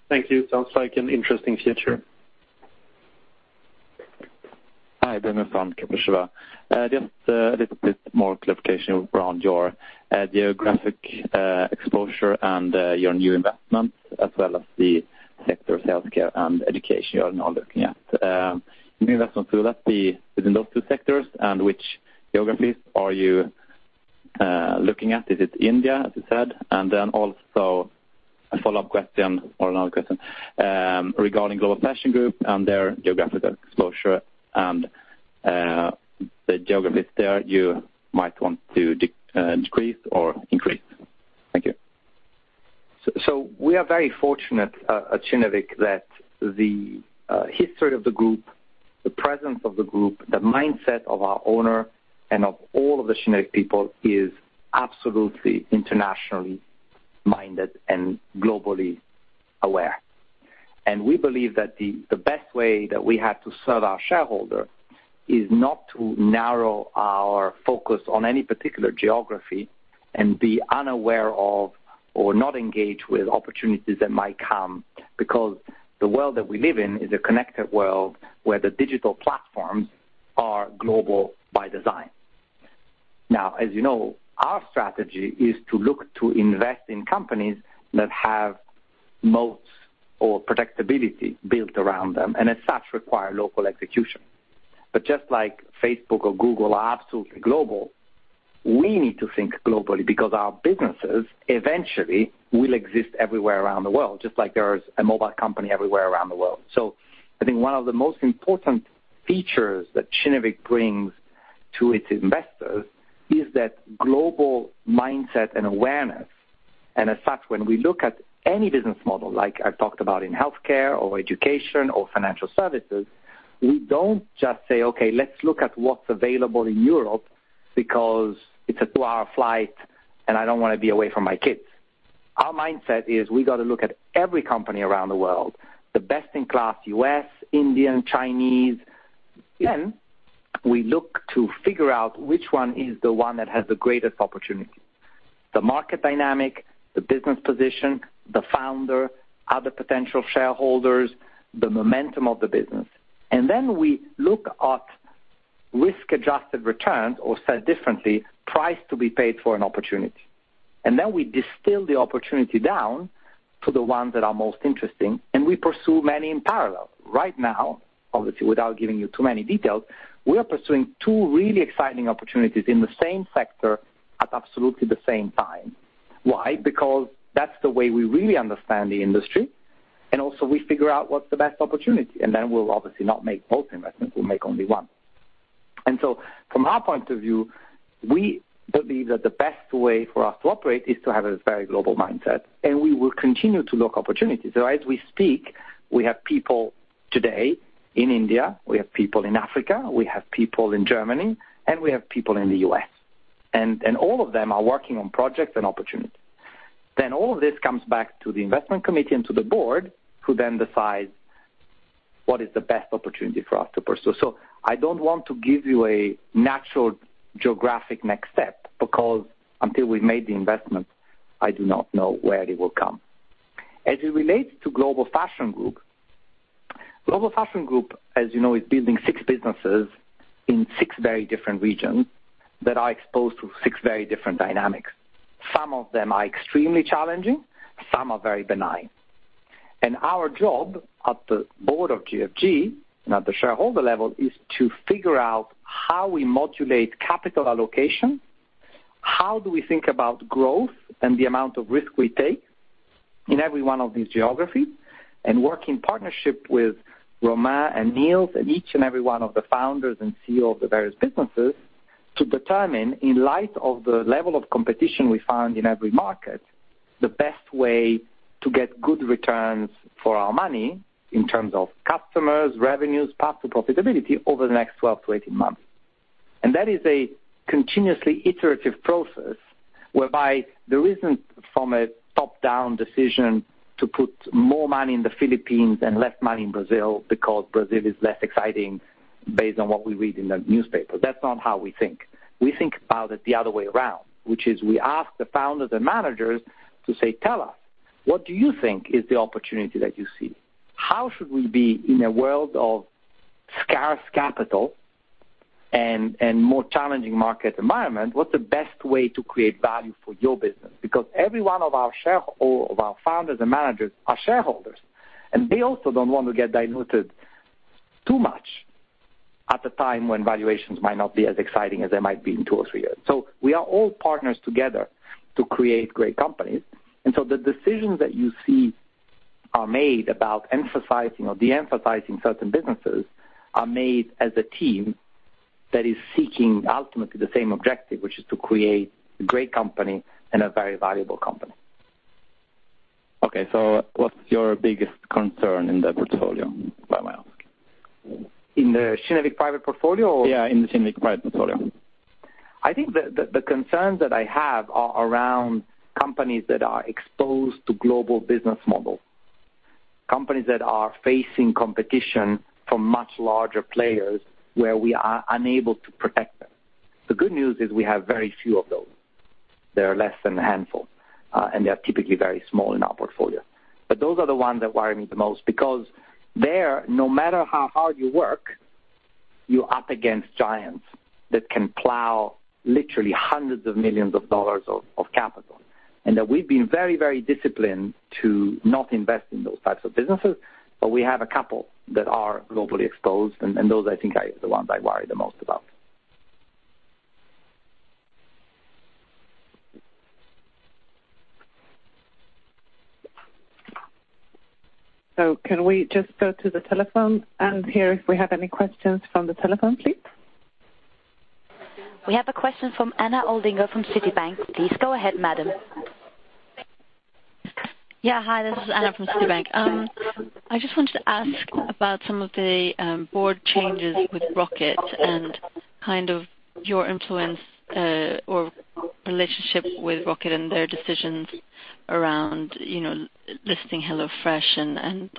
Thank you. Sounds like an interesting future. Hi, Benjamin. Just a little bit more clarification around your geographic exposure and your new investment, as well as the sector of healthcare and education you are now looking at. New investment, will that be within those two sectors, and which geographies are you looking at? Is it India, as you said? Also a follow-up question or another question, regarding Global Fashion Group and their geographical exposure and the geographies there you might want to decrease or increase. Thank you. We are very fortunate at Kinnevik that the history of the group, the presence of the group, the mindset of our owner, and of all of the Kinnevik people is absolutely internationally minded and globally aware. We believe that the best way that we have to serve our shareholder is not to narrow our focus on any particular geography and be unaware of or not engaged with opportunities that might come because the world that we live in is a connected world, where the digital platforms are global by design. Now, as you know, our strategy is to look to invest in companies that have moats or protectability built around them, and as such, require local execution. Just like Facebook or Google are absolutely global, we need to think globally because our businesses eventually will exist everywhere around the world, just like there is a mobile company everywhere around the world. I think one of the most important features that Kinnevik brings to its investors is that global mindset and awareness. As such, when we look at any business model, like I talked about in healthcare or education or financial services, we don't just say, "Okay, let's look at what's available in Europe because it's a two-hour flight, and I don't want to be away from my kids." Our mindset is we got to look at every company around the world, the best-in-class U.S., Indian, Chinese. We look to figure out which one is the one that has the greatest opportunity. The market dynamic, the business position, the founder, other potential shareholders, the momentum of the business. We look at risk-adjusted returns, or said differently, price to be paid for an opportunity. We distill the opportunity down to the ones that are most interesting, and we pursue many in parallel. Right now, obviously, without giving you too many details, we are pursuing two really exciting opportunities in the same sector at absolutely the same time. Why? Because that's the way we really understand the industry. Also, we figure out what's the best opportunity, and then we'll obviously not make both investments, we'll make only one. From our point of view, we believe that the best way for us to operate is to have a very global mindset, and we will continue to look opportunities. As we speak, we have people today in India, we have people in Africa, we have people in Germany, and we have people in the U.S. All of them are working on projects and opportunities. All of this comes back to the investment committee and to the board, who then decide what is the best opportunity for us to pursue. I don't want to give you a natural geographic next step, because until we've made the investment, I do not know where it will come. As it relates to Global Fashion Group, Global Fashion Group, as you know, is building six businesses in six very different regions that are exposed to six very different dynamics. Some of them are extremely challenging, some are very benign. Our job at the board of GFG, and at the shareholder level, is to figure out how we modulate capital allocation, how do we think about growth and the amount of risk we take in every one of these geographies, and work in partnership with Romain and Nils and each and every one of the founders and CEO of the various businesses to determine, in light of the level of competition we find in every market, the best way to get good returns for our money in terms of customers, revenues, path to profitability over the next 12-18 months. That is a continuously iterative process whereby there isn't from a top-down decision to put more money in the Philippines and less money in Brazil because Brazil is less exciting based on what we read in the newspaper. That's not how we think. We think about it the other way around, which is we ask the founders and managers to say, "Tell us, what do you think is the opportunity that you see? How should we be in a world of scarce capital and more challenging market environment? What's the best way to create value for your business?" Because every one of our founders and managers are shareholders, and they also don't want to get diluted too much at the time when valuations might not be as exciting as they might be in two or three years. We are all partners together to create great companies. The decisions that you see are made about emphasizing or de-emphasizing certain businesses are made as a team that is seeking ultimately the same objective, which is to create a great company and a very valuable company. What's your biggest concern in the portfolio, if I may ask? In the Kinnevik private portfolio or? Yeah, in the Kinnevik private portfolio. I think the concerns that I have are around companies that are exposed to global business model. Companies that are facing competition from much larger players where we are unable to protect them. The good news is we have very few of those. There are less than a handful, and they are typically very small in our portfolio. Those are the ones that worry me the most because there, no matter how hard you work, you're up against giants that can plow literally hundreds of millions of SEK of capital. That we've been very disciplined to not invest in those types of businesses, but we have a couple that are globally exposed, and those I think are the ones I worry the most about. Can we just go to the telephone and hear if we have any questions from the telephone, please? We have a question from Anna Oldinger from Citibank. Please go ahead, madam. Yeah. Hi, this is Anna from Citibank. I just wanted to ask about some of the board changes with Rocket and kind of your influence, or relationship with Rocket and their decisions around listing HelloFresh and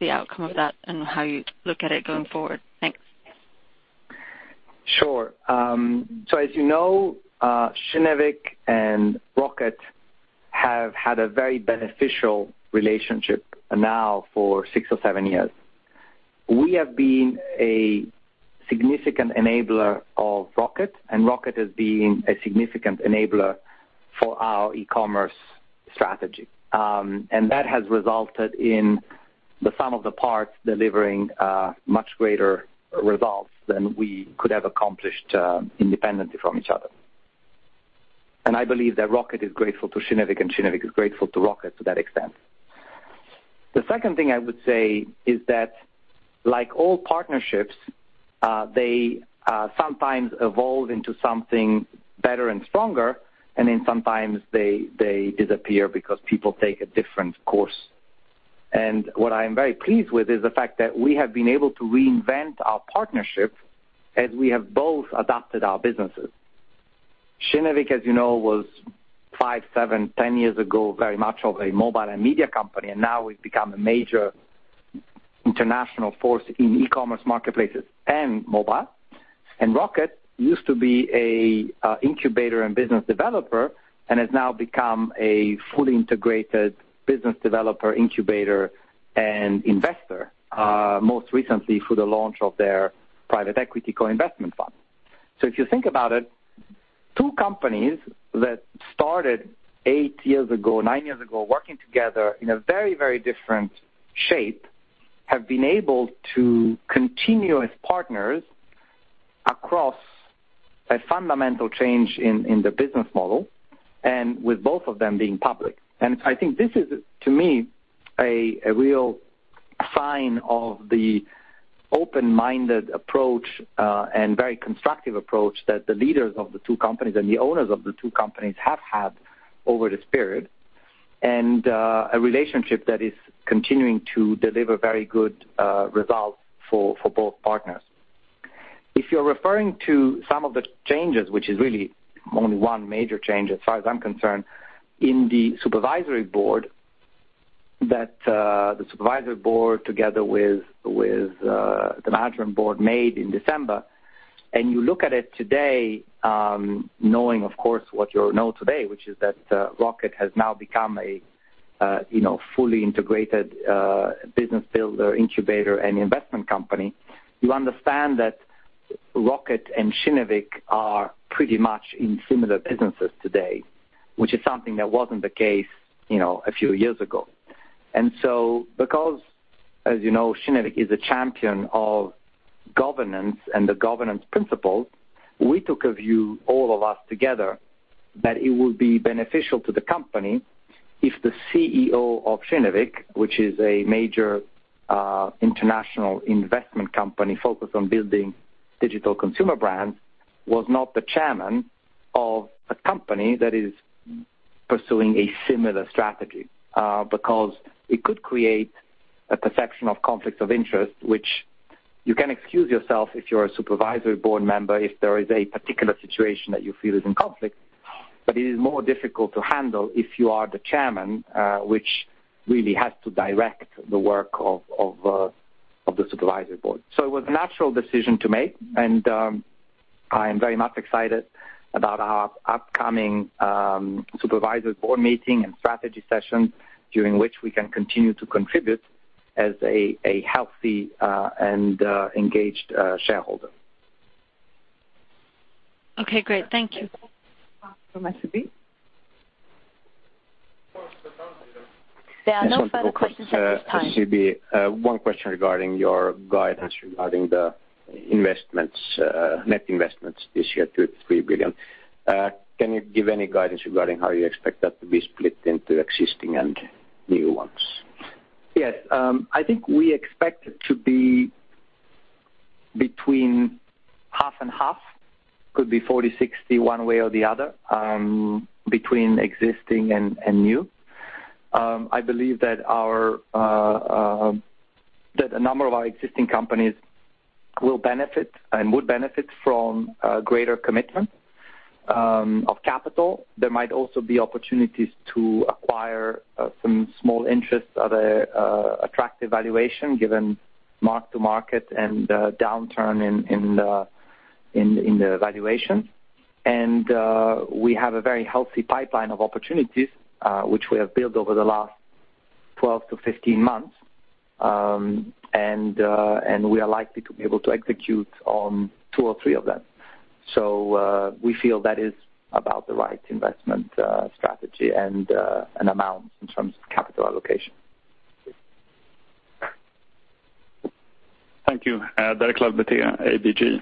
the outcome of that and how you look at it going forward. Thanks. As you know, Kinnevik and Rocket have had a very beneficial relationship now for six or seven years. We have been a significant enabler of Rocket, and Rocket has been a significant enabler for our e-commerce strategy. That has resulted in the sum of the parts delivering much greater results than we could have accomplished independently from each other. I believe that Rocket is grateful to Kinnevik, and Kinnevik is grateful to Rocket to that extent. The second thing I would say is that like all partnerships, they sometimes evolve into something better and stronger, and then sometimes they disappear because people take a different course. What I am very pleased with is the fact that we have been able to reinvent our partnership as we have both adapted our businesses. Kinnevik, as you know, was five, seven, 10 years ago, very much of a mobile and media company, now we've become a major international force in e-commerce marketplaces and mobile. Rocket used to be an incubator and business developer and has now become a fully integrated business developer, incubator, and investor, most recently through the launch of their private equity co-investment fund. If you think about it, two companies that started eight years ago, nine years ago, working together in a very different shape, have been able to continue as partners across a fundamental change in their business model and with both of them being public. I think this is, to me, a real sign of the open-minded approach, and very constructive approach that the leaders of the two companies and the owners of the two companies have had over this period, and a relationship that is continuing to deliver very good results for both partners. If you're referring to some of the changes, which is really only one major change as far as I'm concerned, in the supervisory board, that the supervisory board together with the management board made in December, and you look at it today, knowing, of course, what you know today, which is that Rocket has now become a fully integrated business builder, incubator, and investment company, you understand that Rocket and Kinnevik are pretty much in similar businesses today, which is something that wasn't the case a few years ago. Because, as you know, Kinnevik is a champion of governance and the governance principles, we took a view, all of us together, that it would be beneficial to the company if the CEO of Kinnevik, which is a major international investment company focused on building digital consumer brands, was not the chairman of a company that is pursuing a similar strategy. Because it could create a perception of conflicts of interest, which You can excuse yourself if you're a supervisory board member, if there is a particular situation that you feel is in conflict, but it is more difficult to handle if you are the chairman, which really has to direct the work of the supervisory board. It was a natural decision to make, and I am very much excited about our upcoming supervisory board meeting and strategy session, during which we can continue to contribute as a healthy and engaged shareholder. Okay, great. Thank you. From SEB. There are no further questions at this time. For SEB, one question regarding your guidance regarding the net investments this year, 33 billion. Can you give any guidance regarding how you expect that to be split into existing and new ones? Yes. I think we expect it to be between half and half. Could be 40, 60 one way or the other, between existing and new. I believe that a number of our existing companies will benefit and would benefit from greater commitment of capital. There might also be opportunities to acquire some small interests at attractive valuation, given mark to market and downturn in the valuation. We have a very healthy pipeline of opportunities, which we have built over the last 12 to 15 months. We are likely to be able to execute on two or three of them. We feel that is about the right investment strategy and amount in terms of capital allocation. Thank you. Derek Laliberté, ABG.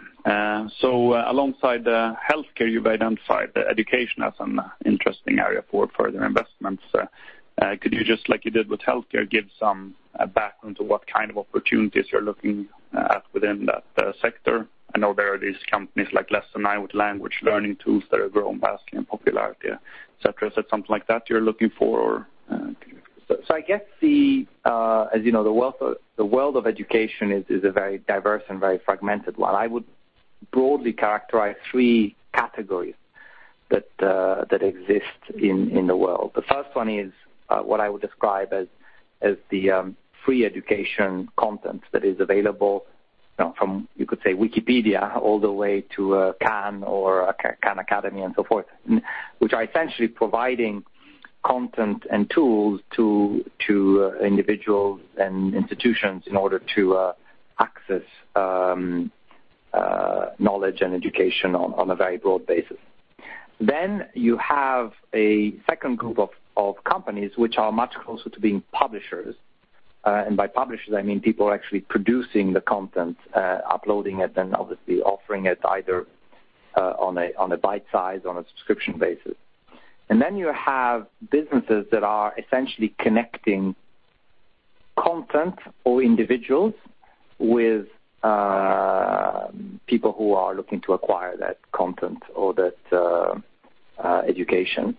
Alongside the healthcare, you've identified the education as an interesting area for further investments. Could you just like you did with healthcare, give some background to what kind of opportunities you're looking at within that sector? I know there are these companies like [Lesson AI] with language learning tools that are growing vastly in popularity, et cetera. Is that something like that you're looking for? I guess the world of education is a very diverse and very fragmented one. I would broadly characterize three categories that exist in the world. The first one is what I would describe as the free education content that is available from, you could say Wikipedia all the way to Khan or Khan Academy and so forth, which are essentially providing content and tools to individuals and institutions in order to access knowledge and education on a very broad basis. Then you have a second group of companies which are much closer to being publishers. By publishers I mean people who are actually producing the content, uploading it, and obviously offering it either on a bite size on a subscription basis. Then you have businesses that are essentially connecting content or individuals with people who are looking to acquire that content or that education.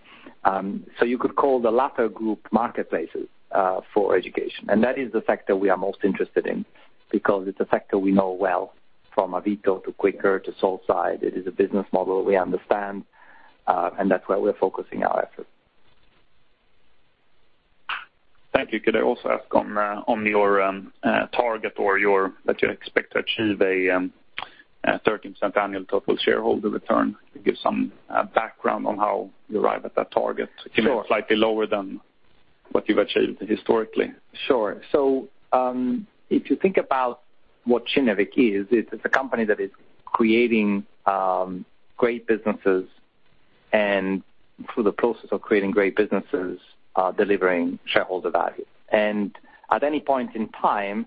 You could call the latter group marketplaces, for education. That is the sector we are most interested in because it's a sector we know well from Avito to Quikr to Saltside. It is a business model we understand, and that's where we're focusing our efforts. Thank you. Could I also ask on your target or that you expect to achieve a 13% annual total shareholder return? Could you give some background on how you arrive at that target? Sure. Slightly lower than what you've achieved historically. Sure. If you think about what Kinnevik is, it's a company that is creating great businesses and through the process of creating great businesses, delivering shareholder value. At any point in time,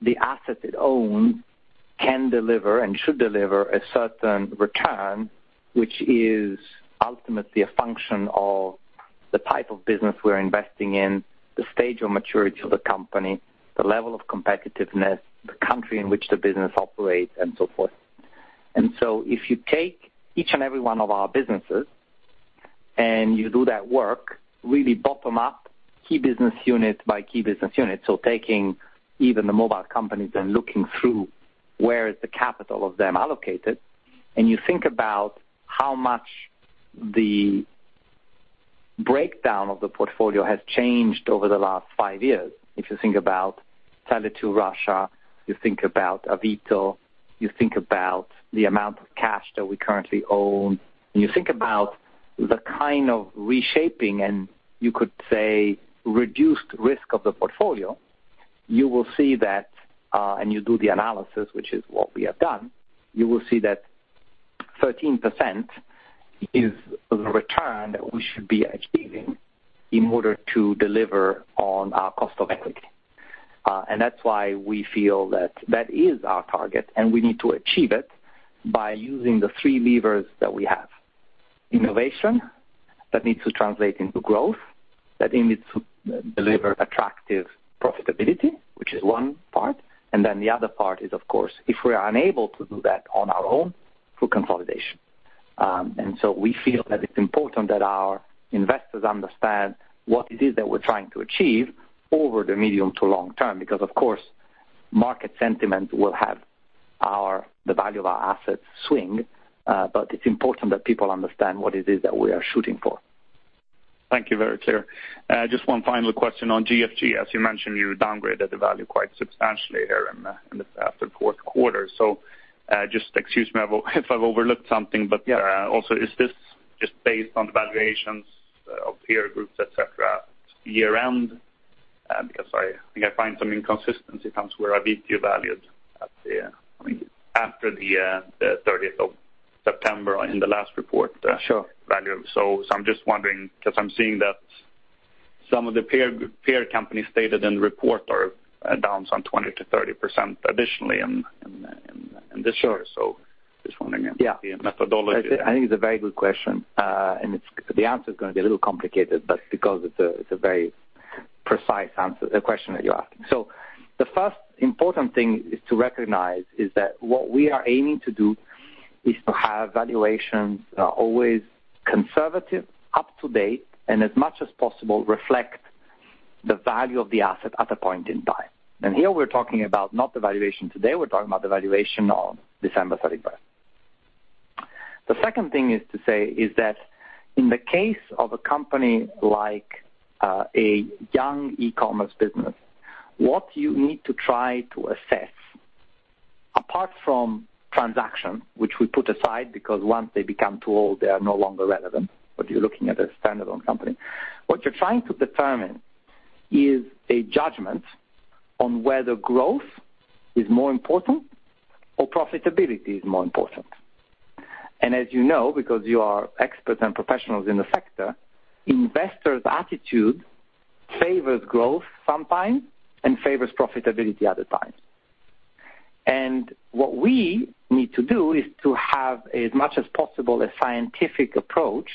the assets it own can deliver and should deliver a certain return, which is ultimately a function of the type 2 business we're investing in, the stage 3 of maturity of the company, the level of competitiveness, the country in which the business operates, and so forth. If you take each and every one of our businesses and you do that work, really bottom up, key business unit by key business unit. Taking even the mobile companies and looking through where is the capital of them allocated. You think about how much the breakdown of the portfolio has changed over the last five years. If you think about Tele2 Russia, you think about Avito, you think about the amount of cash that we currently own, and you think about the kind of reshaping and you could say reduced risk of the portfolio. You will see that, and you do the analysis, which is what we have done. You will see that 13% is the return that we should be achieving in order to deliver on our cost of equity. That's why we feel that is our target and we need to achieve it by using the three levers that we have. Innovation that needs to translate into growth, that it needs to deliver attractive profitability, which is one part. The other part is of course, if we are unable to do that on our own through consolidation. We feel that it's important that our investors understand what it is that we're trying to achieve over the medium to long term, because of course, market sentiment will have the value of our assets swing, but it's important that people understand what it is that we are shooting for. Thank you. Very clear. Just one final question on GFG. As you mentioned, you downgraded the value quite substantially here in the fourth quarter. Just excuse me if I've overlooked something. Yeah Also, is this just based on the valuations of peer groups, et cetera, year round? Because I think I find some inconsistency perhaps where Kinnevik valued after the 30th of September in the last report. Sure value. I'm just wondering, because I'm seeing that some of the peer companies stated in the report are down some 20%-30% additionally in this year. Sure. Just wondering. Yeah The methodology. I think it's a very good question. The answer's going to be a little complicated because it's a very precise question that you're asking. The first important thing is to recognize is that what we are aiming to do is to have valuations that are always conservative, up to date, and as much as possible, reflect the value of the asset at the point in time. Here we're talking about not the valuation today, we're talking about the valuation on December 31st. The second thing is to say is that in the case of a company like a young e-commerce business, what you need to try to assess, apart from transaction, which we put aside, because once they become too old, they are no longer relevant, but you're looking at a standalone company. What you're trying to determine is a judgment on whether growth is more important or profitability is more important. As you know, because you are experts and professionals in the sector, investors' attitude favors growth sometimes and favors profitability other times. What we need to do is to have, as much as possible, a scientific approach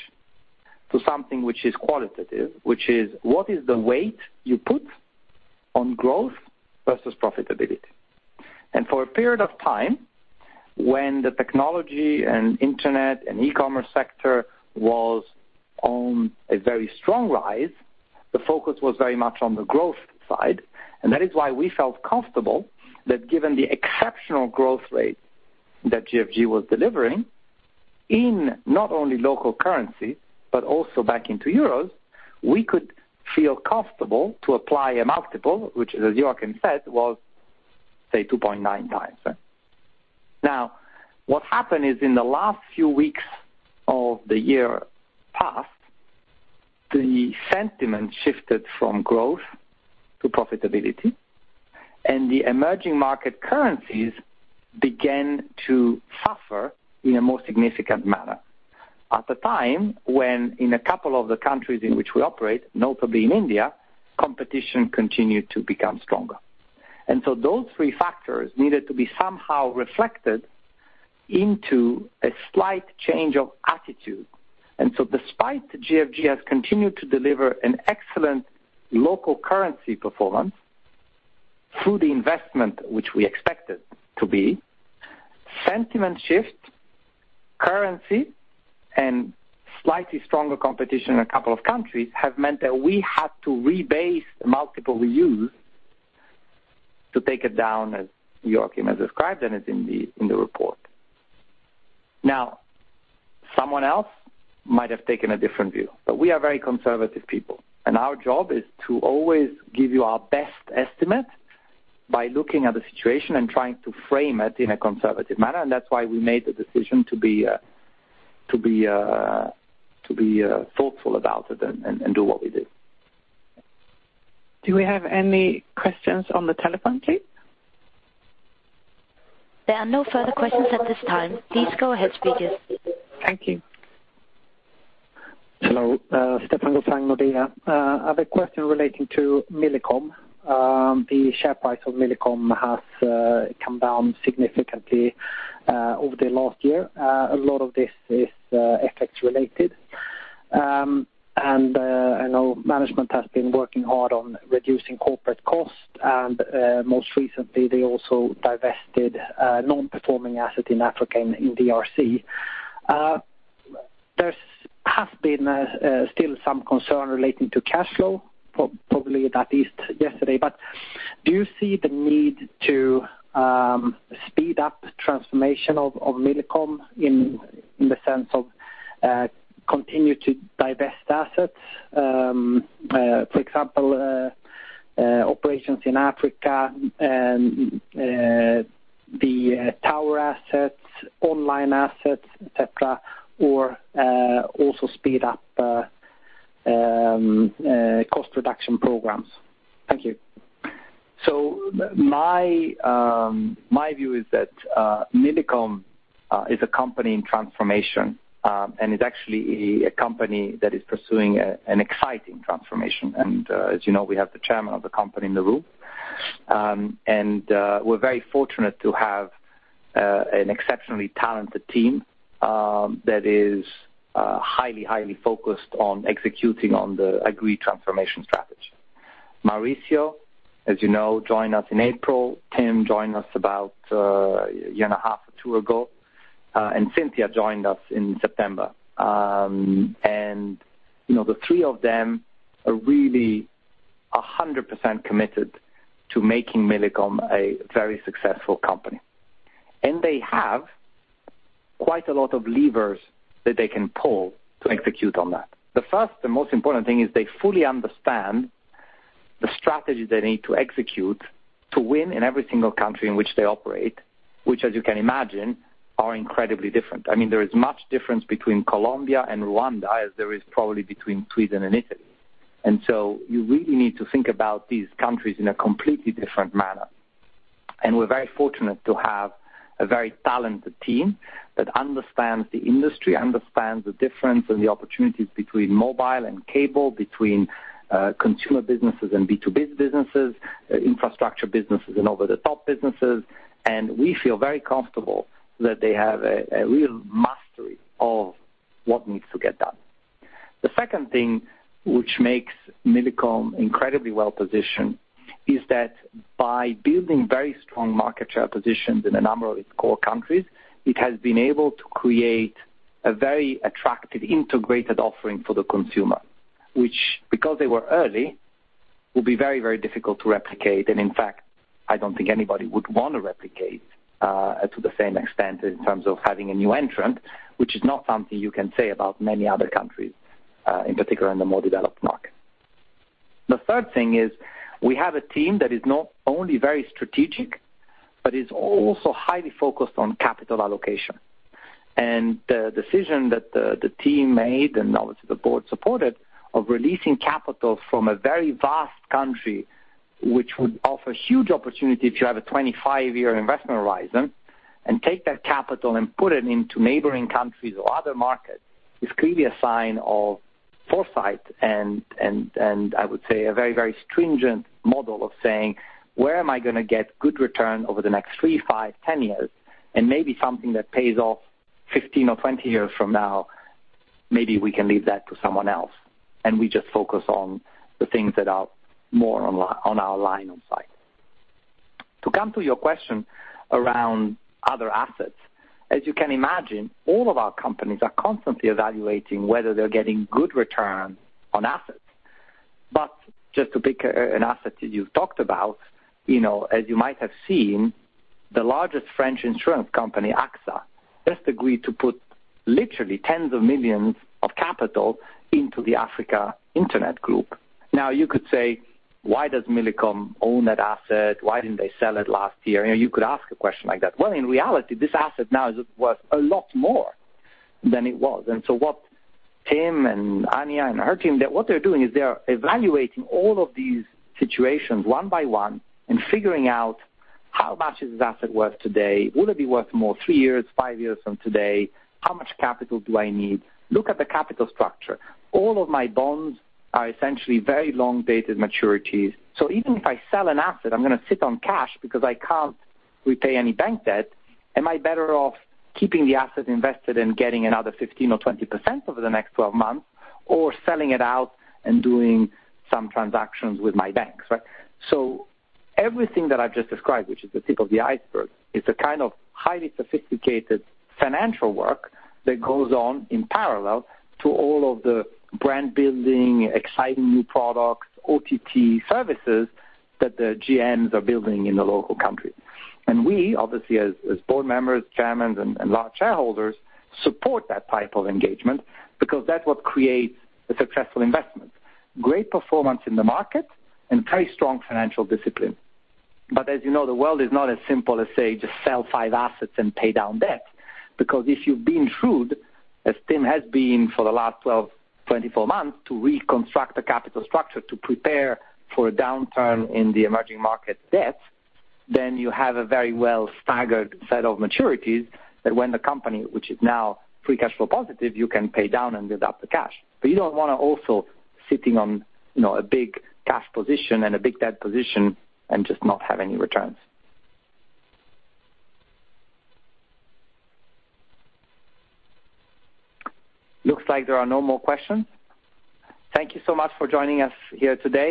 to something which is qualitative, which is what is the weight you put on growth versus profitability. For a period of time, when the technology and internet and e-commerce sector was on a very strong rise, the focus was very much on the growth side. That is why we felt comfortable that given the exceptional growth rate that GFG was delivering, in not only local currency but also back into euros, we could feel comfortable to apply a multiple, which, as Joakim said, was, say, 2.9x. What happened is in the last few weeks of the year past, the sentiment shifted from growth to profitability, and the emerging market currencies began to suffer in a more significant manner. At the time, when in a couple of the countries in which we operate, notably in India, competition continued to become stronger. Those three factors needed to be somehow reflected into a slight change of attitude. Despite GFG has continued to deliver an excellent local currency performance through the investment which we expected to be, sentiment shift, currency, and slightly stronger competition in a couple of countries have meant that we had to rebase the multiple we use to take it down, as Joakim has described, and it's in the report. Someone else might have taken a different view, we are very conservative people, and our job is to always give you our best estimate by looking at the situation and trying to frame it in a conservative manner. That's why we made the decision to be thoughtful about it and do what we did. Do we have any questions on the telephone, please? There are no further questions at this time. Please go ahead, speakers. Thank you. Hello. Stefan Gauffin, Nordea. I have a question relating to Millicom. The share price of Millicom has come down significantly over the last year. A lot of this is FX related. I know management has been working hard on reducing corporate costs, and, most recently, they also divested non-performing asset in Africa in DRC. There has been still some concern relating to cash flow, probably at least yesterday. Do you see the need to speed up transformation of Millicom in the sense of continue to divest assets? For example, operations in Africa and the tower assets, online assets, et cetera, or also speed up cost reduction programs. Thank you. My view is that Millicom is a company in transformation, and it's actually a company that is pursuing an exciting transformation. As you know, we have the chairman of the company in the room. We're very fortunate to have an exceptionally talented team that is highly focused on executing on the agreed transformation strategy. Mauricio, as you know, joined us in April. Tim joined us about a year and a half or two ago, and Cynthia joined us in September. The three of them are really 100% committed to making Millicom a very successful company. They have quite a lot of levers that they can pull to execute on that. The first and most important thing is they fully understand the strategy they need to execute to win in every single country in which they operate, which, as you can imagine, are incredibly different. There is much difference between Colombia and Rwanda, as there is probably between Sweden and Italy. You really need to think about these countries in a completely different manner. We're very fortunate to have a very talented team that understands the industry, understands the difference and the opportunities between mobile and cable, between consumer businesses and B2B businesses, infrastructure businesses, and over-the-top businesses. We feel very comfortable that they have a real mastery of what needs to get done. The second thing which makes Millicom incredibly well-positioned is that by building very strong market share positions in a number of its core countries, it has been able to create a very attractive integrated offering for the consumer, which, because they were early, will be very difficult to replicate. In fact, I don't think anybody would want to replicate to the same extent in terms of having a new entrant, which is not something you can say about many other countries, in particular in the more developed markets. The third thing is we have a team that is not only very strategic, but is also highly focused on capital allocation. The decision that the team made, and obviously the board supported, of releasing capital from a very vast country, which would offer huge opportunity if you have a 25-year investment horizon, and take that capital and put it into neighboring countries or other markets, is clearly a sign of foresight and, I would say, a very, very stringent model of saying, where am I going to get good return over the next three, five, 10 years? Maybe something that pays off 15 or 20 years from now, maybe we can leave that to someone else, and we just focus on the things that are more on our line of sight. To come to your question around other assets, as you can imagine, all of our companies are constantly evaluating whether they're getting good return on assets. Just to pick an asset that you've talked about, as you might have seen, the largest French insurance company, AXA, just agreed to put literally tens of millions of capital into the Africa Internet Group. You could say, why does Millicom own that asset? Why didn't they sell it last year? You could ask a question like that. In reality, this asset now is worth a lot more than it was. What Tim and Anya and her team, what they're doing is they're evaluating all of these situations one by one and figuring out how much is this asset worth today? Will it be worth more three years, five years from today? How much capital do I need? Look at the capital structure. All of my bonds are essentially very long-dated maturities. Even if I sell an asset, I'm going to sit on cash because I can't repay any bank debt. Am I better off keeping the asset invested and getting another 15% or 20% over the next 12 months or selling it out and doing some transactions with my banks, right? Everything that I've just described, which is the tip of the iceberg, is a kind of highly sophisticated financial work that goes on in parallel to all of the brand building, exciting new products, OTT services that the GMs are building in the local country. We obviously, as board members, chairmen, and large shareholders, support that type of engagement because that's what creates a successful investment. Great performance in the market and very strong financial discipline. As you know, the world is not as simple as, say, just sell five assets and pay down debt. If you've been shrewd, as Tim has been for the last 12, 24 months, to reconstruct the capital structure to prepare for a downturn in the emerging market debt, then you have a very well staggered set of maturities that when the company, which is now free cash flow positive, you can pay down and build up the cash. You don't want to also sitting on a big cash position and a big debt position and just not have any returns. Looks like there are no more questions. Thank you so much for joining us here today.